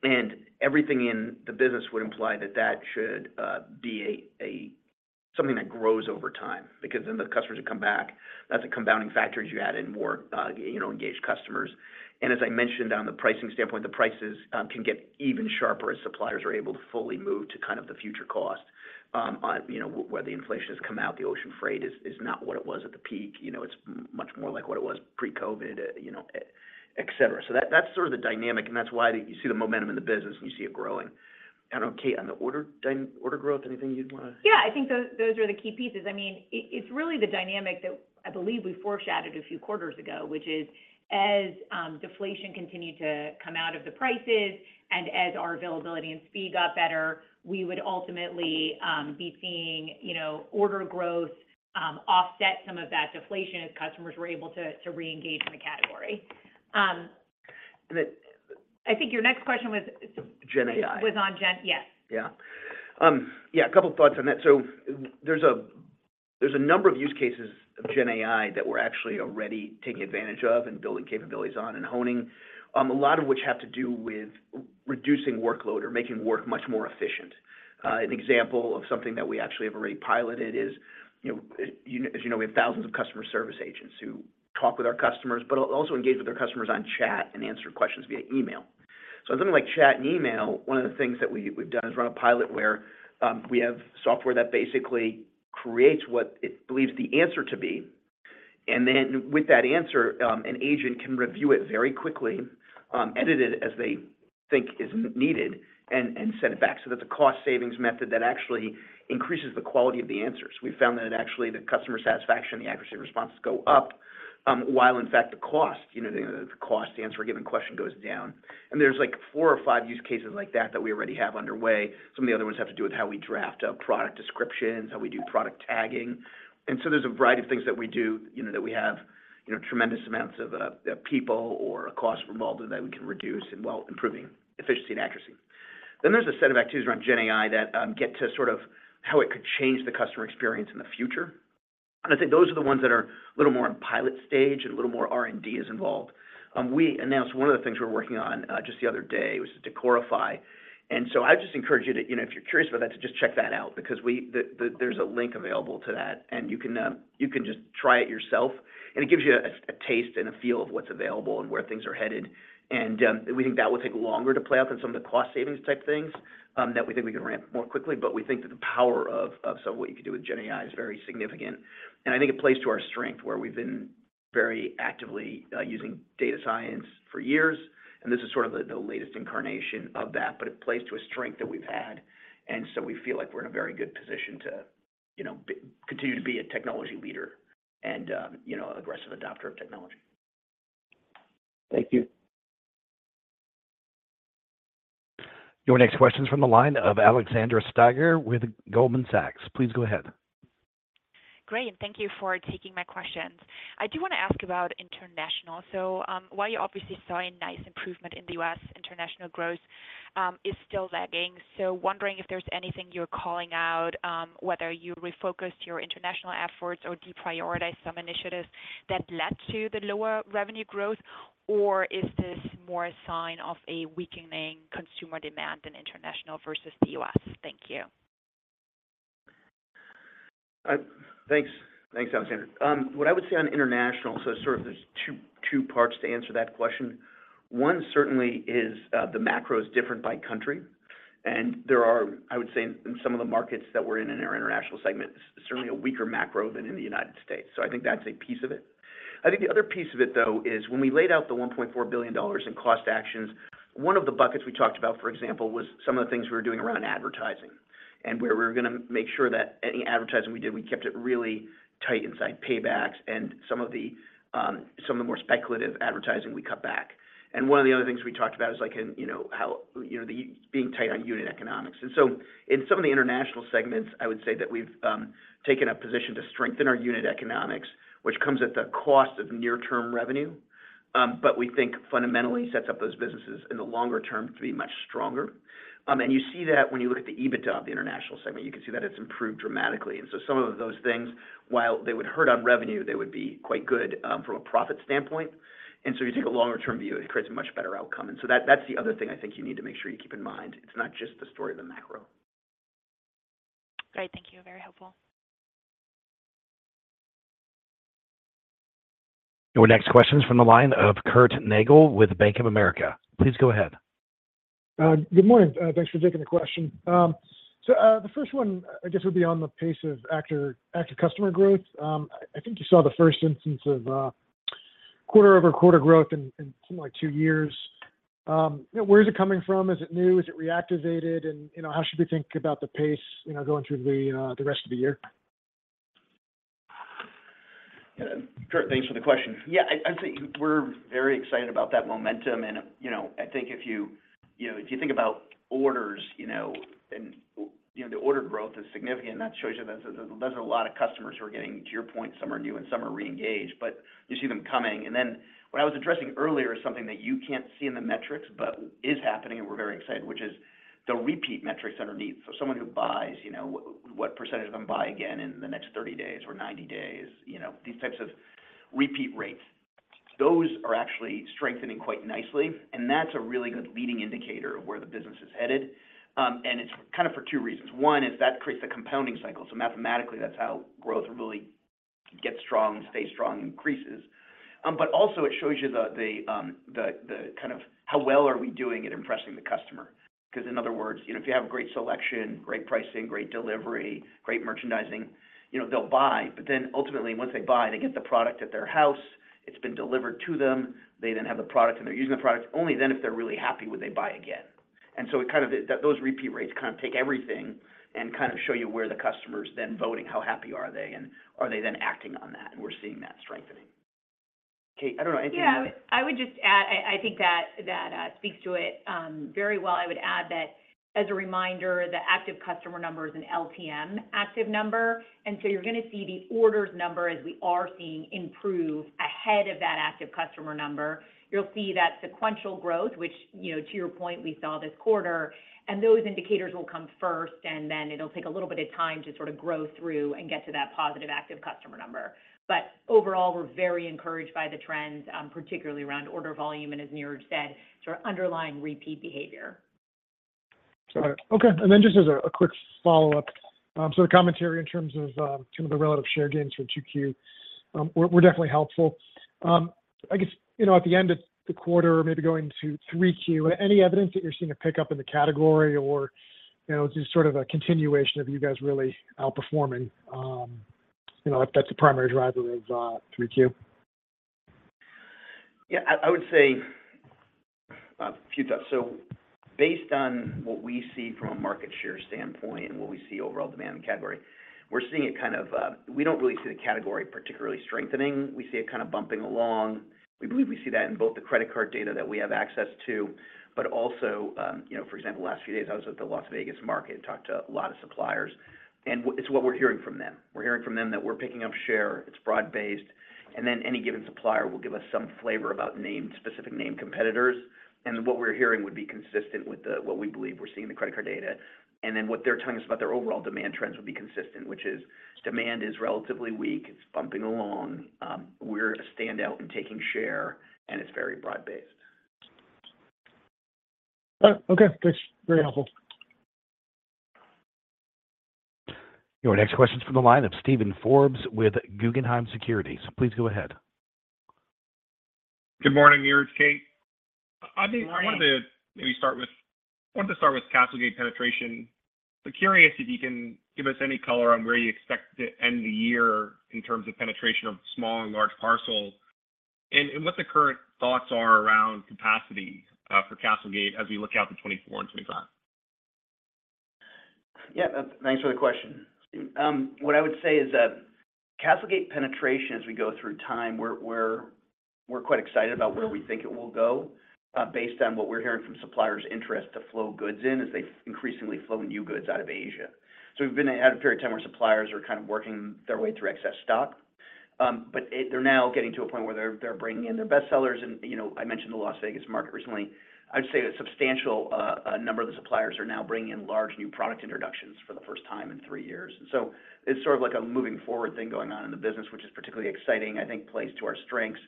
C: and everything in the business would imply that that should be a something that grows over time, because then the customers will come back. That's a compounding factor as you add in more, you know, engaged customers. As I mentioned on the pricing standpoint, the prices, can get even sharper as suppliers are able to fully move to kind of the future cost. On, you know, where the inflation has come out, the ocean freight is, is not what it was at the peak. You know, it's much more like what it was pre-COVID, you know, et cetera. So that's sort of the dynamic, and that's why you see the momentum in the business, and you see it growing. I don't know, Kate, on the order growth, anything you'd want to-
D: Yeah, I think those, those are the key pieces. I mean, it, it's really the dynamic that I believe we foreshadowed a few quarters ago, which is as deflation continued to come out of the prices and as our availability and speed got better, we would ultimately be seeing, you know, order growth offset some of that deflation as customers were able to, to reengage in the category.
C: And the-
D: I think your next question was.
C: Gen AI.
D: Was on Gen. Yes.
C: Yeah. Yeah, a couple of thoughts on that. There's a, there's a number of use cases of Gen AI that we're actually already taking advantage of and building capabilities on and honing, a lot of which have to do with reducing workload or making work much more efficient. An example of something that we actually have already piloted is, you know, as you know, we have thousands of customer service agents who talk with our customers, but also engage with their customers on chat and answer questions via email. Something like chat and email, one of the things that we, we've done is run a pilot where, we have software that basically creates what it believes the answer to be. Then with that answer, an agent can review it very quickly, edit it as they think is needed, and send it back. That's a cost savings method that actually increases the quality of the answers. We found that actually, the customer satisfaction, the accuracy of responses go up, while in fact, the cost, you know, the cost to answer a given question goes down. There's, like, four or five use cases like that, that we already have underway. Some of the other ones have to do with how we draft up product descriptions, how we do product tagging. So there's a variety of things that we do, you know, that we have, you know, tremendous amounts of people or cost involved that we can reduce, and while improving efficiency and accuracy. There's a set of activities around GenAI that get to sort of how it could change the customer experience in the future. I think those are the ones that are a little more in pilot stage and a little more R&D is involved. We announced one of the things we're working on just the other day, was Decorify. I just encourage you to, you know, if you're curious about that, to just check that out, because there's a link available to that, and you can just try it yourself, and it gives you a, a taste and a feel of what's available and where things are headed. We think that will take longer to play out than some of the cost savings type things that we think we can ramp more quickly. We think that the power of some of what you can do with GenAI is very significant, and I think it plays to our strength, where we've been very actively using data science for years, and this is sort of the latest incarnation of that. It plays to a strength that we've had, and so we feel like we're in a very good position to, you know, continue to be a technology leader and, you know, aggressive adopter of technology.
D: Thank you.
A: Your next question is from the line of Alexandra Steiger with Goldman Sachs. Please go ahead.
H: Great, thank you for taking my questions. I do want to ask about international. While you obviously saw a nice improvement in the U.S., international growth is still lagging. Wondering if there's anything you're calling out, whether you refocused your international efforts or deprioritized some initiatives that led to the lower revenue growth, or is this more a sign of a weakening consumer demand in international versus the U.S.? Thank you.
C: Thanks. Thanks, Alexandra. What I would say on international, sort of there's two, two parts to answer that question. One certainly is, the macro is different by country, and there are, I would say, in some of the markets that we're in, in our international segment, certainly a weaker macro than in the United States. I think that's a piece of it. I think the other piece of it, though, is when we laid out the $1.4 billion in cost actions, one of the buckets we talked about, for example, was some of the things we were doing around advertising, and where we were gonna make sure that any advertising we did, we kept it really tight inside paybacks and some of the, some of the more speculative advertising we cut back. One of the other things we talked about is, like, in, you know, how, you know, the being tight on unit economics. In some of the international segments, I would say that we've taken a position to strengthen our unit economics, which comes at the cost of near-term revenue, but we think fundamentally sets up those businesses in the longer term to be much stronger. You see that when you look at the EBITDA of the international segment, you can see that it's improved dramatically. Some of those things, while they would hurt on revenue, they would be quite good from a profit standpoint. You take a longer term view, it creates a much better outcome. That, that's the other thing I think you need to make sure you keep in mind. It's not just the story of the macro.
H: Great. Thank you. Very helpful.
A: Your next question is from the line of Curtis Nagle with Bank of America. Please go ahead.
I: Good morning. Thanks for taking the question. The first one, I guess, would be on the pace of active, active customer growth. I think you saw the first instance of quarter-over-quarter growth in something like two years. Where is it coming from? Is it new? Is it reactivated? And, you know, how should we think about the pace, you know, going through the rest of the year?
C: Kurt, thanks for the question. Yeah, I, I think we're very excited about that momentum. You know, I think if you, you know, if you think about orders, you know, the order growth is significant, that shows you that there's a lot of customers who are getting To your point, some are new and some are reengaged, but you see them coming. Then what I was addressing earlier is something that you can't see in the metrics but is happening, and we're very excited, which is the repeat metrics underneath. Someone who buys, you know, what percentage of them buy again in the next 30 days or 90 days? You know, these types of repeat rates. Those are actually strengthening quite nicely, and that's a really good leading indicator of where the business is headed. It's kind of for two reasons. One is that creates a compounding cycle. Mathematically, that's how growth really gets strong, stays strong, and increases. Also it shows you the, the, the, the kind of how well are we doing at impressing the customer. In other words, you know, if you have great selection, great pricing, great delivery, great merchandising, you know, they'll buy. Then ultimately, once they buy, they get the product at their house, it's been delivered to them, they then have the product, and they're using the product, only then, if they're really happy, would they buy again. Those repeat rates kind of take everything and kind of show you where the customer is then voting, how happy are they, and are they then acting on that? We're seeing that strengthening. Kate, I don't know anything...
D: Yeah. I would just add, I, I think that, that speaks to it very well. I would add that, as a reminder, the active customer number is an LTM active number, and so you're gonna see the orders number, as we are seeing, improve ahead of that active customer number. You'll see that sequential growth, which, you know, to your point, we saw this quarter, and those indicators will come first, and then it'll take a little bit of time to sort of grow through and get to that positive active customer number. Overall, we're very encouraged by the trends, particularly around order volume, and as Niraj said, sort of underlying repeat behavior.
I: Got it. Okay, just as a, a quick follow up. The commentary in terms of, kind of the relative share gains from 2Q, were, were definitely helpful. I guess, you know, at the end of the quarter, maybe going into 3Q, any evidence that you're seeing a pickup in the category or, you know, just sort of a continuation of you guys really outperforming, you know, if that's a primary driver of, 3Q?
C: Yeah, I, I would say, a few thoughts. Based on what we see from a market share standpoint and what we see overall demand in the category, we're seeing it kind of. We don't really see the category particularly strengthening. We see it kind of bumping along. We believe we see that in both the credit card data that we have access to, but also, you know, for example, the last few days, I was at the Las Vegas Market and talked to a lot of suppliers, it's what we're hearing from them. We're hearing from them that we're picking up share, it's broad based, and then any given supplier will give us some flavor about named, specific name competitors. What we're hearing would be consistent with the, what we believe we're seeing in the credit card data. Then what they're telling us about their overall demand trends would be consistent, which is demand is relatively weak, it's bumping along. We're a standout in taking share, and it's very broad based.
I: Okay. Thanks. Very helpful.
A: Your next question's from the line of Steven Forbes with Guggenheim Securities. Please go ahead.
J: Good morning, Niraj, Kate.
D: Good morning.
J: I think I wanted to start with CastleGate penetration. Curious if you can give us any color on where you expect to end the year in terms of penetration of small and large parcels, and what the current thoughts are around capacity for CastleGate as we look out to 2024 and 2025?
C: Yeah, thanks for the question. What I would say is that CastleGate penetration, as we go through time, we're, we're, we're quite excited about where we think it will go, based on what we're hearing from suppliers' interest to flow goods in as they've increasingly flown new goods out of Asia. We've been at a period of time where suppliers are kind of working their way through excess stock, but they're now getting to a point where they're, they're bringing in their best sellers. You know, I mentioned the Las Vegas Market recently. I'd say that a substantial number of the suppliers are now bringing in large new product introductions for the first time in three years. It's sort of like a moving forward thing going on in the business, which is particularly exciting, I think plays to our strengths.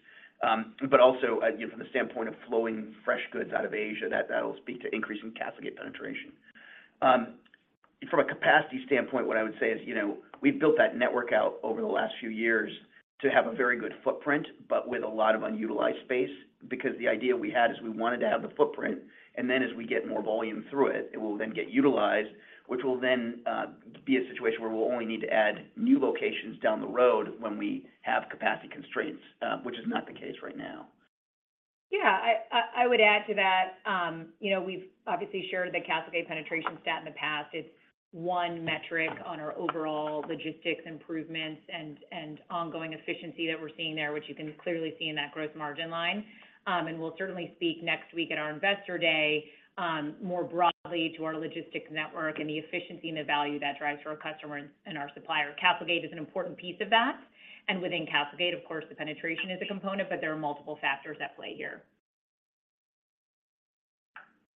C: Also, you know, from the standpoint of flowing fresh goods out of Asia, that, that'll speak to increasing CastleGate penetration. From a capacity standpoint, what I would say is, you know, we've built that network out over the last few years to have a very good footprint, but with a lot of unutilized space, because the idea we had is we wanted to have the footprint, and then as we get more volume through it, it will then get utilized, which will then be a situation where we'll only need to add new locations down the road when we have capacity constraints, which is not the case right now.
D: Yeah, I, I, I would add to that. You know, we've obviously shared the CastleGate penetration stat in the past. It's one metric on our overall logistics improvements and ongoing efficiency that we're seeing there, which you can clearly see in that gross margin line. And we'll certainly speak next week at our Investor Day, more broadly to our logistics network and the efficiency and the value that drives for our customer and our supplier. CastleGate is an important piece of that, and within CastleGate, of course, the penetration is a component, but there are multiple factors at play here.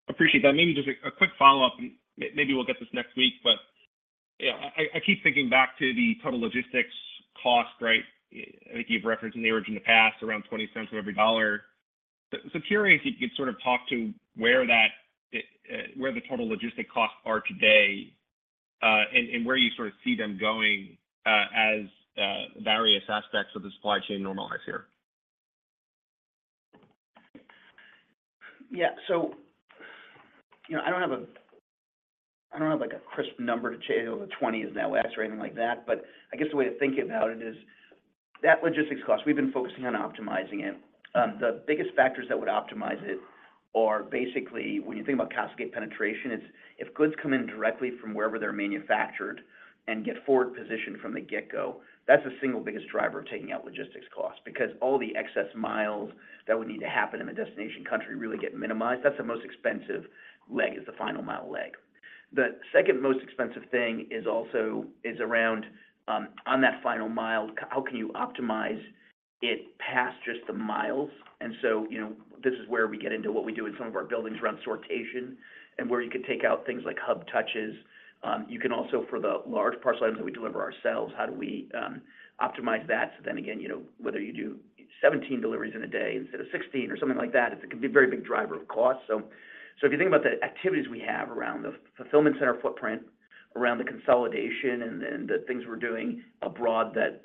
J: Appreciate that. Maybe just a quick follow-up, and maybe we'll get this next week, but, yeah, I keep thinking back to the total logistics cost, right? I think you've referenced in the origin in the past, around $0.20 of every dollar. Curious if you could sort of talk to where that, where the total logistic costs are today, and where you sort of see them going, as, various aspects of the supply chain normalize here.
C: Yeah. You know, I don't have I don't have, like, a crisp number to share, the 20 is now X or anything like that, but I guess the way to think about it is that logistics cost, we've been focusing on optimizing it. The biggest factors that would optimize it are basically, when you think about CastleGate penetration, it's if goods come in directly from wherever they're manufactured and get forward-positioned from the get-go, that's the single biggest driver of taking out logistics costs because all the excess miles that would need to happen in the destination country really get minimized. That's the most expensive leg, is the final mile leg. The second most expensive thing is also, is around, on that final mile, how can you optimize it past just the miles? So, you know, this is where we get into what we do in some of our buildings around sortation and where you can take out things like hub touches. You can also, for the large parcel items that we deliver ourselves, how do we optimize that? Then again, you know, whether you do 17 deliveries in a day instead of 16 or something like that, it can be a very big driver of cost. So if you think about the activities we have around the fulfillment center footprint, around the consolidation, and then the things we're doing abroad that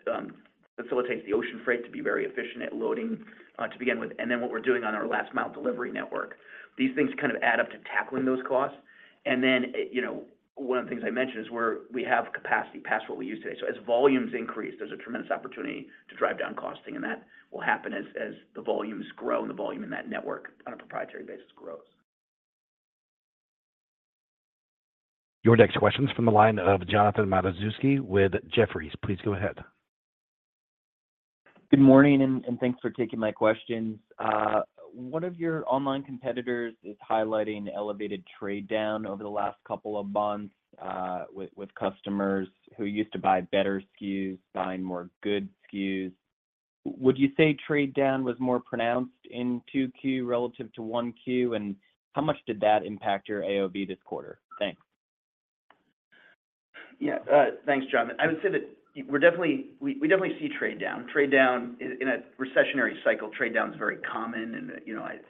C: facilitates the ocean freight to be very efficient at loading to begin with, and then what we're doing on our last mile delivery network. These things kind of add up to tackling those costs. You know, one of the things I mentioned is where we have capacity past what we use today. As volumes increase, there's a tremendous opportunity to drive down costing, and that will happen as, as the volumes grow and the volume in that network on a proprietary basis grows.
A: Your next question's from the line of Jonathan Matuszewski with Jefferies. Please go ahead.
K: Good morning, thanks for taking my questions. One of your online competitors is highlighting elevated trade down over the last couple of months, with customers who used to buy better SKUs, buying more good SKUs. Would you say trade down was more pronounced in 2Q relative to 1Q, and how much did that impact your AOV this quarter? Thanks.
C: Yeah, thanks, John. I would say that we're definitely-- we, we definitely see trade down. Trade down in, in a recessionary cycle, trade down is very common, and, you know, I--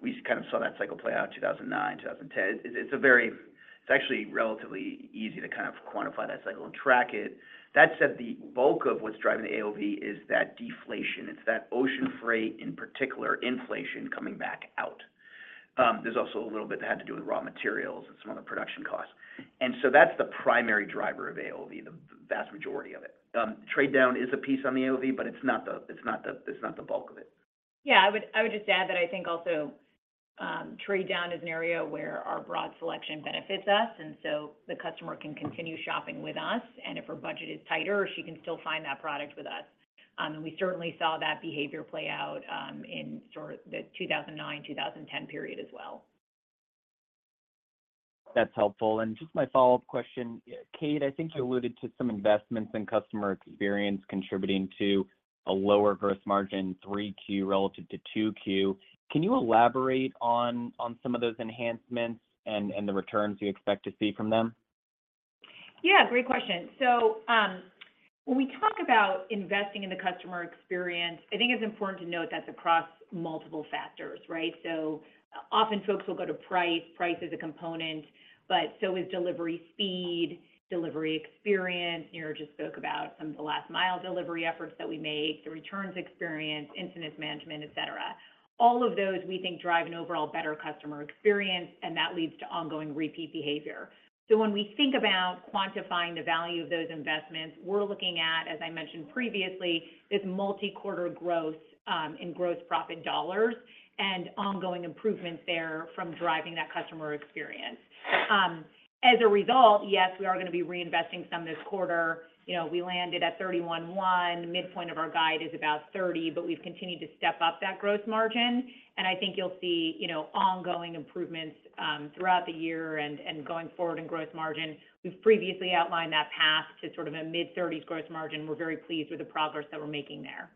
C: we kind of saw that cycle play out in 2009, 2010. It's, it's a very-- it's actually relatively easy to kind of quantify that cycle and track it. That said, the bulk of what's driving the AOV is that deflation. It's that ocean freight, in particular, inflation coming back out. There's also a little bit that had to do with raw materials and some of the production costs. So that's the primary driver of AOV, the vast majority of it. Trade down is a piece on the AOV, but it's not the, it's not the, it's not the bulk of it.
D: Yeah, I would, I would just add that I think also, trade down is an area where our broad selection benefits us, and so the customer can continue shopping with us, and if her budget is tighter, she can still find that product with us. We certainly saw that behavior play out, in sort of the 2009, 2010 period as well.
K: That's helpful. Just my follow-up question. Kate, I think you alluded to some investments in customer experience contributing to a lower gross margin, 3Q relative to 2Q. Can you elaborate on some of those enhancements and the returns you expect to see from them?
D: Yeah, great question. When we talk about investing in the customer experience, I think it's important to note that's across multiple factors, right? Often, folks will go to price. Price is a component, but so is delivery speed, delivery experience. Niraj just spoke about some of the last mile delivery efforts that we make, the returns experience, incidence management, et cetera. All of those, we think, drive an overall better customer experience, and that leads to ongoing repeat behavior. When we think about quantifying the value of those investments, we're looking at, as I mentioned previously, this multi-quarter growth in gross profit dollars and ongoing improvements there from driving that customer experience. As a result, yes, we are gonna be reinvesting some this quarter. You know, we landed at 31.1%, midpoint of our guide is about 30%, but we've continued to step up that gross margin, and I think you'll see, you know, ongoing improvements throughout the year and, and going forward in gross margin. We've previously outlined that path to sort of a mid-thirties gross margin. We're very pleased with the progress that we're making there.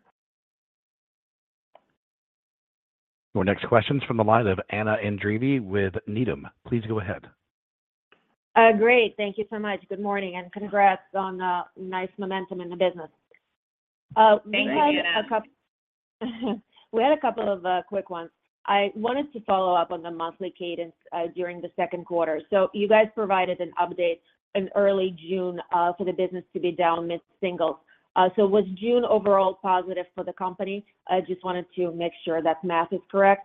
A: Your next question is from the line of Anna Andreeva with Needham. Please go ahead.
L: Great. Thank you so much. Good morning, and congrats on the nice momentum in the business.
D: Thank you, Anna.
L: We had a couple of quick ones. I wanted to follow up on the monthly cadence during the second quarter. You guys provided an update in early June for the business to be down mid-single. Was June overall positive for the company? I just wanted to make sure that math is correct.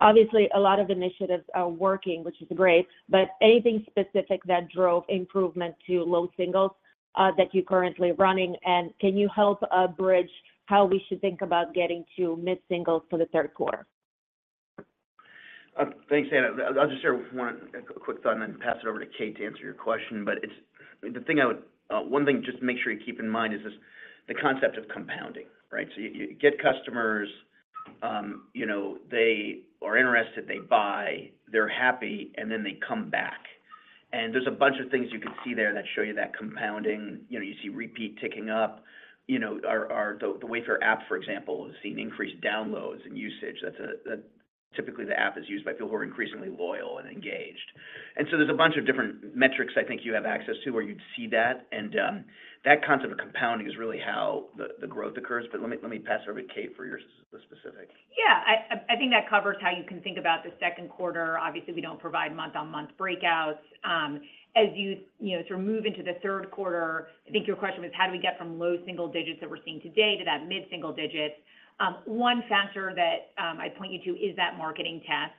L: Obviously, a lot of initiatives are working, which is great, but anything specific that drove improvement to low singles that you're currently running, and can you help bridge how we should think about getting to mid-singles for the third quarter?
C: Thanks, Anna. I'll just share one quick thought and then pass it over to Kate to answer your question. One thing just to make sure you keep in mind is this, the concept of compounding, right? You, you get customers, you know, they are interested, they buy, they're happy, and then they come back. There's a bunch of things you can see there that show you that compounding. You know, you see repeat ticking up. You know, our the Wayfair app, for example, has seen increased downloads and usage. That's a typically, the app is used by people who are increasingly loyal and engaged. There's a bunch of different metrics I think you have access to, where you'd see that, and that concept of compounding is really how the, the growth occurs. Let me pass over to Kate for the specific.
D: Yeah, I, I, I think that covers how you can think about the second quarter. Obviously, we don't provide month-on-month breakouts. As you, you know, sort of move into the third quarter, I think your question was, how do we get from low single digits that we're seeing today to that mid-single digit? One factor that I'd point you to is that marketing test.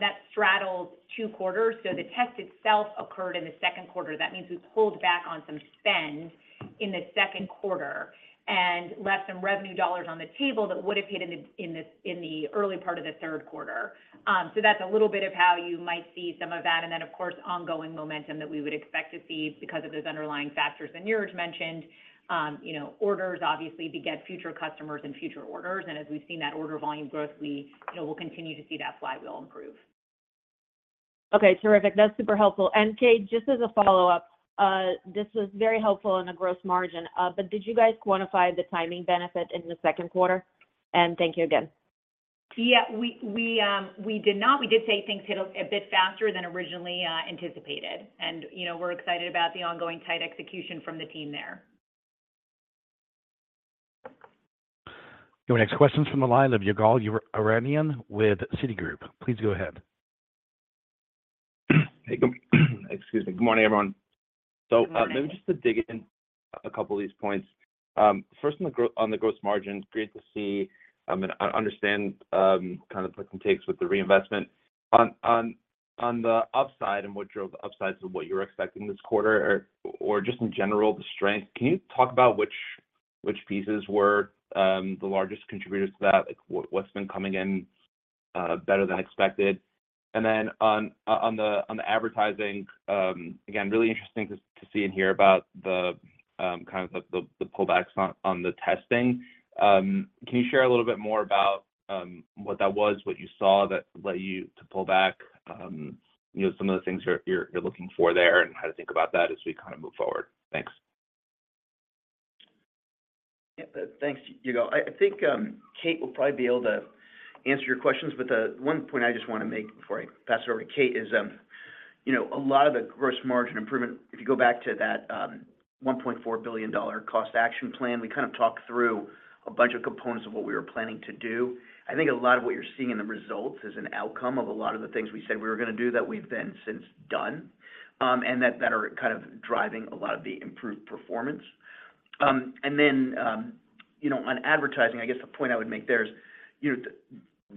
D: That straddles two quarters, so the test itself occurred in the second quarter. That means we pulled back on some spend in the second quarter and left some revenue dollars on the table that would have hit in the, in the, in the early part of the third quarter. That's a little bit of how you might see some of that, and then, of course, ongoing momentum that we would expect to see because of those underlying factors that Niraj mentioned. You know, orders obviously beget future customers and future orders, and as we've seen that order volume growth, we, you know, will continue to see that flywheel improve.
L: Okay, terrific. That's super helpful. Kate, just as a follow-up, this was very helpful in the gross margin, but did you guys quantify the timing benefit in the second quarter? Thank you again.
D: Yeah, we, we, we did not. We did say things hit a bit faster than originally anticipated, and, you know, we're excited about the ongoing tight execution from the team there.
A: Your next question is from the line of Ygal Arounian with Citigroup. Please go ahead.
M: Hey, excuse me. Good morning, everyone.
D: Good morning.
M: Maybe just to dig in a couple of these points. First, on the gross margins, great to see, and I understand kind of the takes with the reinvestment. On the upside and what drove the upsides of what you were expecting this quarter or just in general, the strength, can you talk about which pieces were the largest contributors to that? Like, what's been coming in better than expected? Then on the advertising, again, really interesting to see and hear about the kind of the pullbacks on the testing. Can you share a little bit more about, what that was, what you saw that led you to pull back, you know, some of the things you're, you're, you're looking for there and how to think about that as we kind of move forward? Thanks.
C: Thanks, Ygal. I, I think, Kate will probably be able to answer your questions, but the one point I just want to make before I pass it over to Kate is, you know, a lot of the gross margin improvement, if you go back to that, $1.4 billion cost action plan, we kind of talked through a bunch of components of what we were planning to do. I think a lot of what you're seeing in the results is an outcome of a lot of the things we said we were going to do that we've then since done, and that, that are kind of driving a lot of the improved performance. Then, you know, on advertising, I guess the point I would make there is, you know,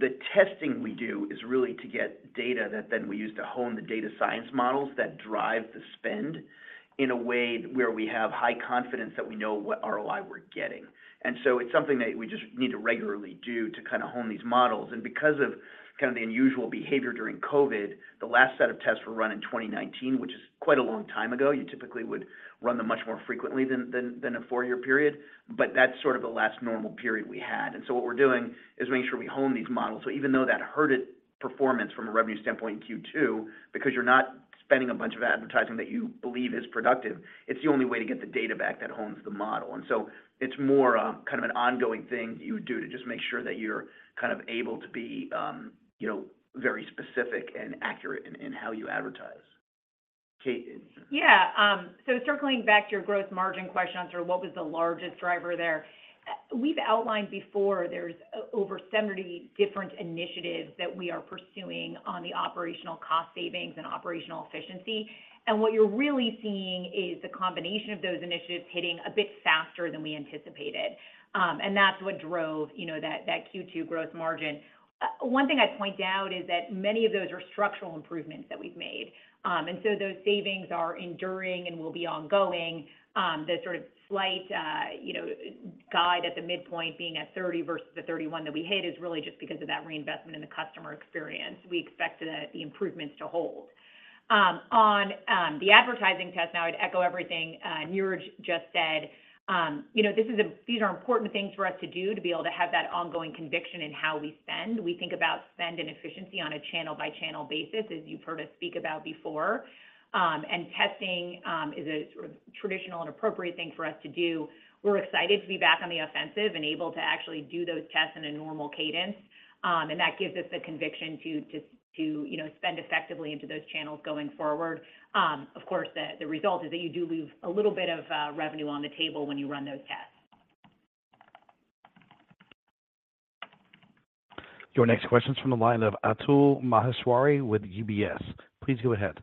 C: the, the testing we do is really to get data that then we use to hone the data science models that drive the spend in a way where we have high confidence that we know what ROI we're getting. So it's something that we just need to regularly do to kind of hone these models. Because of kind of the unusual behavior during COVID, the last set of tests were run in 2019, which is quite a long time ago. You typically would run them much more frequently than, than, than a 4-year period, but that's sort of the last normal period we had. So what we're doing is making sure we hone these models. Even though that hurt performance from a revenue standpoint in Q2, because you're not spending a bunch of advertising that you believe is productive, it's the only way to get the data back that hones the model. It's more, kind of an ongoing thing you would do to just make sure that you're kind of able to be, you know, very specific and accurate in, in how you advertise. Kate?
D: Yeah. Circling back to your gross margin question, on sort of what was the largest driver there? We've outlined before there's over 70 different initiatives that we are pursuing on the operational cost savings and operational efficiency. What you're really seeing is the combination of those initiatives hitting a bit faster than we anticipated. That's what drove, you know, that, that Q2 gross margin. One thing I'd point out is that many of those are structural improvements that we've made. Those savings are enduring and will be ongoing. The sort of slight, you know, guide at the midpoint being at 30 versus the 31 that we hit is really just because of that reinvestment in the customer experience. We expect the, the improvements to hold. On the advertising test, now, I'd echo everything Niraj just said. You know, these are important things for us to do to be able to have that ongoing conviction in how we spend. We think about spend and efficiency on a channel-by-channel basis, as you've heard us speak about before. Testing is a sort of traditional and appropriate thing for us to do. We're excited to be back on the offensive and able to actually do those tests in a normal cadence. That gives us the conviction to, to, to, you know, spend effectively into those channels going forward. Of course, the, the result is that you do leave a little bit of revenue on the table when you run those tests.
A: Your next question is from the line of Atul Maheshwari with UBS. Please go ahead.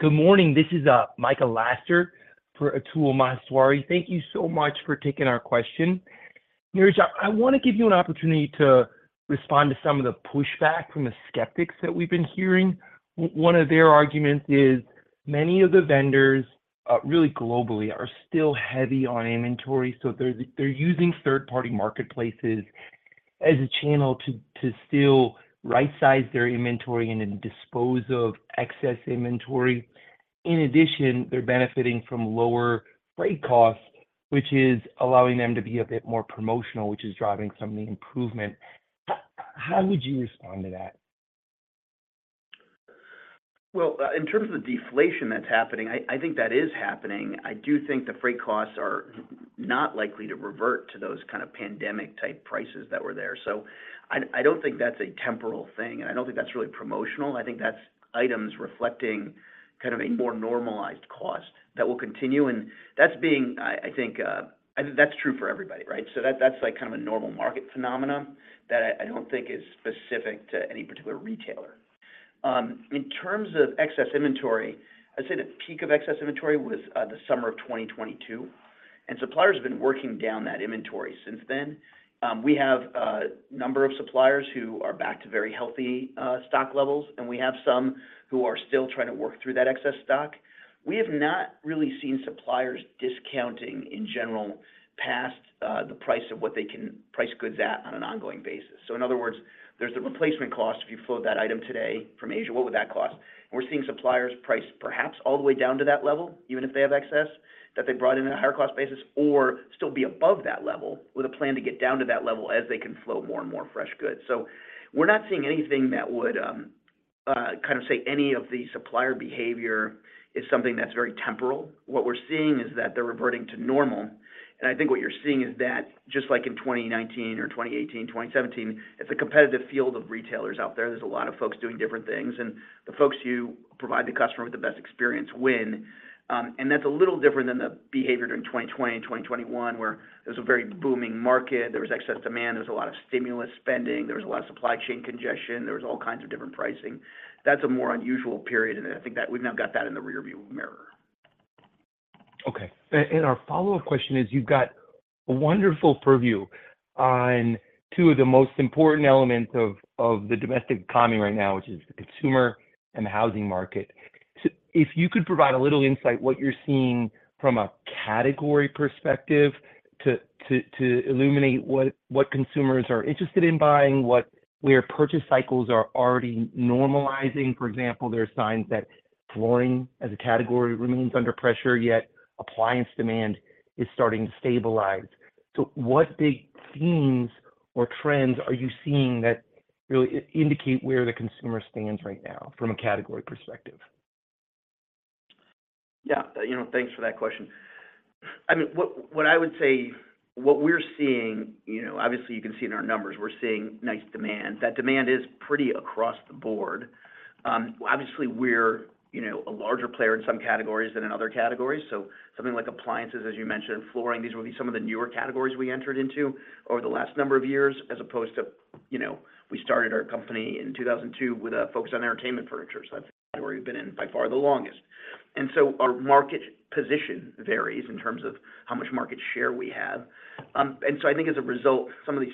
N: Good morning. This is Michael Lasser for Atul Maheshwari. Thank you so much for taking our question. Niraj, I want to give you an opportunity to respond to some of the pushback from the skeptics that we've been hearing. One of their arguments is many of the vendors, really globally, are still heavy on inventory, so they're, they're using third-party marketplaces as a channel to, to still right-size their inventory and then dispose of excess inventory. In addition, they're benefiting from lower freight costs, which is allowing them to be a bit more promotional, which is driving some of the improvement. How would you respond to that?
C: Well, in terms of the deflation that's happening, I, I think that is happening. I do think the freight costs are not likely to revert to those kind of pandemic-type prices that were there. I, I don't think that's a temporal thing, and I don't think that's really promotional. I think that's items reflecting kind of a more normalized cost that will continue, and that's being, I, I think, I think that's true for everybody, right? That, that's like kind of a normal market phenomenon that I, I don't think is specific to any particular retailer. In terms of excess inventory, I'd say the peak of excess inventory was the summer of 2022, and suppliers have been working down that inventory since then. We have a number of suppliers who are back to very healthy stock levels, and we have some who are still trying to work through that excess stock. We have not really seen suppliers discounting in general past the price of what they can price goods at on an ongoing basis. In other words, there's the replacement cost if you float that item today from Asia, what would that cost? We're seeing suppliers price perhaps all the way down to that level, even if they have excess, that they brought in at a higher cost basis, or still be above that level with a plan to get down to that level as they can flow more and more fresh goods. We're not seeing anything that would kind of say any of the supplier behavior is something that's very temporal. What we're seeing is that they're reverting to normal. I think what you're seeing is that, just like in 2019 or 2018, 2017, it's a competitive field of retailers out there. There's a lot of folks doing different things. The folks who provide the customer with the best experience win. That's a little different than the behavior during 2020 and 2021, where there was a very booming market, there was excess demand, there was a lot of stimulus spending, there was a lot of supply chain congestion, there was all kinds of different pricing. That's a more unusual period. I think that we've now got that in the rearview mirror.
N: Okay. Our follow-up question is, you've got a wonderful purview on two of the most important elements of the domestic economy right now, which is the consumer and the housing market. If you could provide a little insight, what you're seeing from a category perspective to illuminate what consumers are interested in buying, where purchase cycles are already normalizing. For example, there are signs that flooring as a category remains under pressure, yet appliance demand is starting to stabilize. What big themes or trends are you seeing that really indicate where the consumer stands right now from a category perspective?
C: Yeah, you know, thanks for that question. I mean, what, what I would say, what we're seeing, you know, obviously, you can see in our numbers, we're seeing nice demand. That demand is pretty across the board. Obviously, we're, you know, a larger player in some categories than in other categories. So something like appliances, as you mentioned, flooring, these would be some of the newer categories we entered into over the last number of years, as opposed to, you know, we started our company in 2002 with a focus on entertainment furniture. So that's the category we've been in by far the longest. So our market position varies in terms of how much market share we have. I think as a result, some of these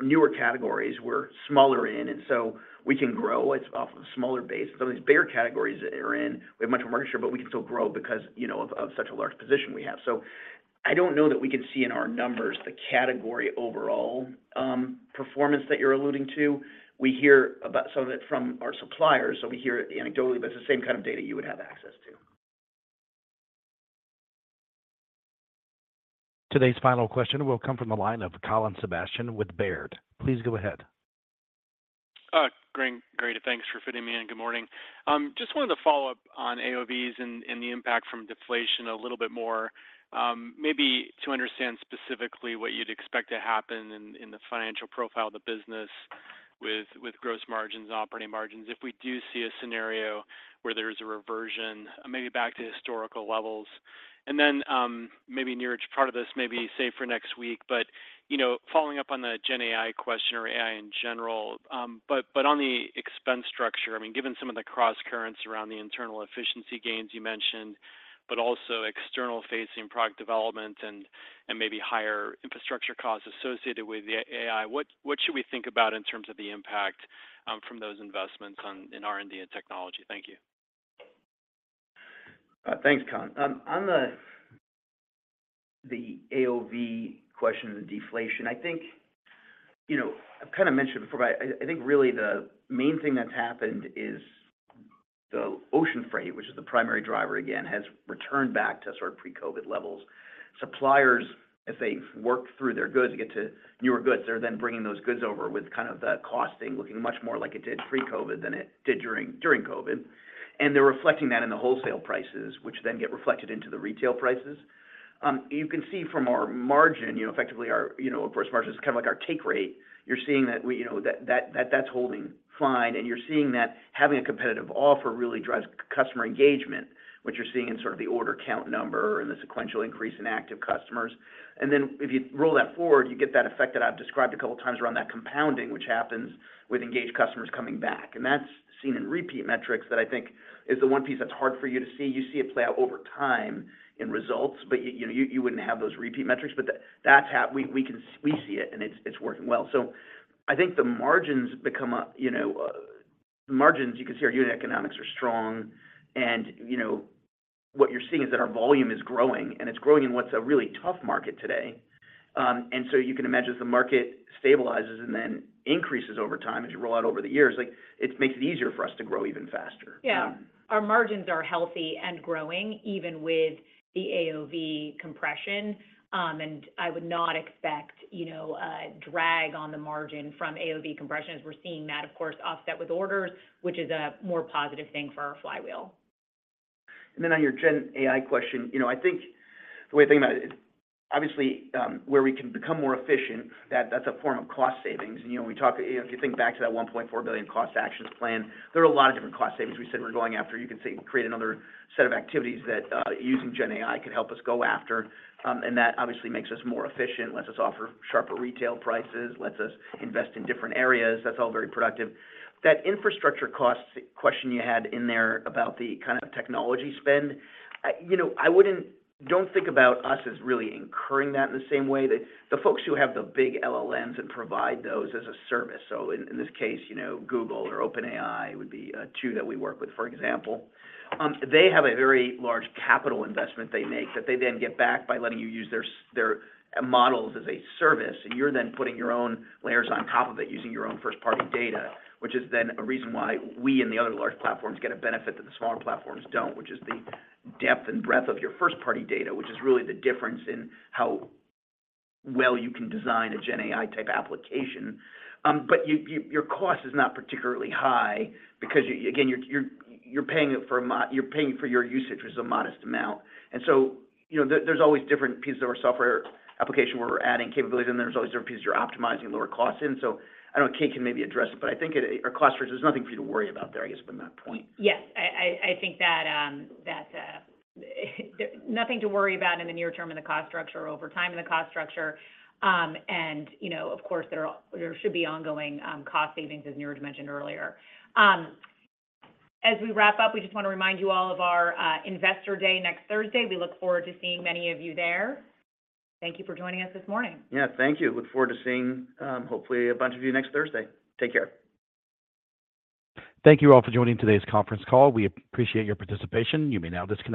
C: newer categories we're smaller in, and so we can grow it off of a smaller base. Some of these bigger categories that we're in, we have much more market share, but we can still grow because, you know, of, of such a large position we have. I don't know that we can see in our numbers the category overall performance that you're alluding to. We hear about some of it from our suppliers, so we hear it anecdotally, but it's the same kind of data you would have access to.
A: Today's final question will come from the line of Colin Sebastian with Baird. Please go ahead.
O: Great, great, thanks for fitting me in. Good morning. Just wanted to follow up on AOVs and, and the impact from deflation a little bit more, maybe to understand specifically what you'd expect to happen in, in the financial profile of the business with, with gross margins and operating margins. If we do see a scenario where there's a reversion, maybe back to historical levels. Niraj, maybe part of this may be saved for next week, you know, following up on the Gen AI question or AI in general, on the expense structure, I mean, given some of the crosscurrents around the internal efficiency gains you mentioned, but also external-facing product development and maybe higher infrastructure costs associated with the AI, what should we think about in terms of the impact from those investments in R&D and technology? Thank you.
C: Thanks, Colin. On the AOV question and deflation, I think, you know, I've kind of mentioned before, but I, I think really the main thing that's happened is the ocean freight, which is the primary driver, again, has returned back to sort of pre-COVID levels. Suppliers, as they work through their goods to get to newer goods, they're then bringing those goods over with kind of the costing looking much more like it did pre-COVID than it did during, during COVID. They're reflecting that in the wholesale prices, which then get reflected into the retail prices. You can see from our margin, you know, effectively our, you know, of course, margin is kind of like our take rate. You're seeing that we, you know, that, that, that's holding fine. You're seeing that having a competitive offer really drives customer engagement, which you're seeing in sort of the order count number and the sequential increase in active customers. Then if you roll that forward, you get that effect that I've described a couple of times around that compounding, which happens with engaged customers coming back. That's seen in repeat metrics that I think is the one piece that's hard for you to see. You see it play out over time in results, but you know, you wouldn't have those repeat metrics, but that's how we, we see it, and it's, it's working well. I think the margins become a, you know, margins, you can see our unit economics are strong, and, you know, what you're seeing is that our volume is growing, and it's growing in what's a really tough market today. You can imagine as the market stabilizes and then increases over time as you roll out over the years, like, it makes it easier for us to grow even faster.
D: Yeah. Our margins are healthy and growing, even with the AOV compression. I would not expect, you know, a drag on the margin from AOV compression, as we're seeing that, of course, offset with orders, which is a more positive thing for our flywheel.
C: Then on your Gen AI question, you know, I think the way to think about it, obviously, where we can become more efficient, that, that's a form of cost savings. You know, when we talk, if you think back to that $1.4 billion cost actions plan, there are a lot of different cost savings we said we're going after. You can see, create another set of activities that using Gen AI can help us go after, and that obviously makes us more efficient, lets us offer sharper retail prices, lets us invest in different areas. That's all very productive. That infrastructure cost question you had in there about the kind of technology spend, you know, I wouldn't don't think about us as really incurring that in the same way. The folks who have the big LLMs and provide those as a service, so in, in this case, you know, Google or OpenAI would be two that we work with, for example. They have a very large capital investment they make that they then get back by letting you use their models as a service. You're then putting your own layers on top of it, using your own first-party data, which is then a reason why we and the other large platforms get a benefit that the smaller platforms don't, which is the depth and breadth of your first-party data, which is really the difference in how well you can design a Gen AI type application. But your cost is not particularly high because, again, you're, you're, you're paying it for a you're paying for your usage, which is a modest amount. You know, there, there's always different pieces of our software application where we're adding capabilities, and there's always different pieces you're optimizing lower costs in. I don't know, Kate can maybe address it, but I think it, our cost, there's nothing for you to worry about there, I guess, from that point.
D: Yes, I, I, I think that nothing to worry about in the near term in the cost structure or over time in the cost structure. You know, of course, there should be ongoing cost savings, as Niraj mentioned earlier. As we wrap up, we just want to remind you all of our Investor Day next Thursday. We look forward to seeing many of you there. Thank you for joining us this morning.
C: Yeah, thank you. Look forward to seeing, hopefully, a bunch of you next Thursday. Take care.
A: Thank you all for joining today's conference call. We appreciate your participation. You may now disconnect.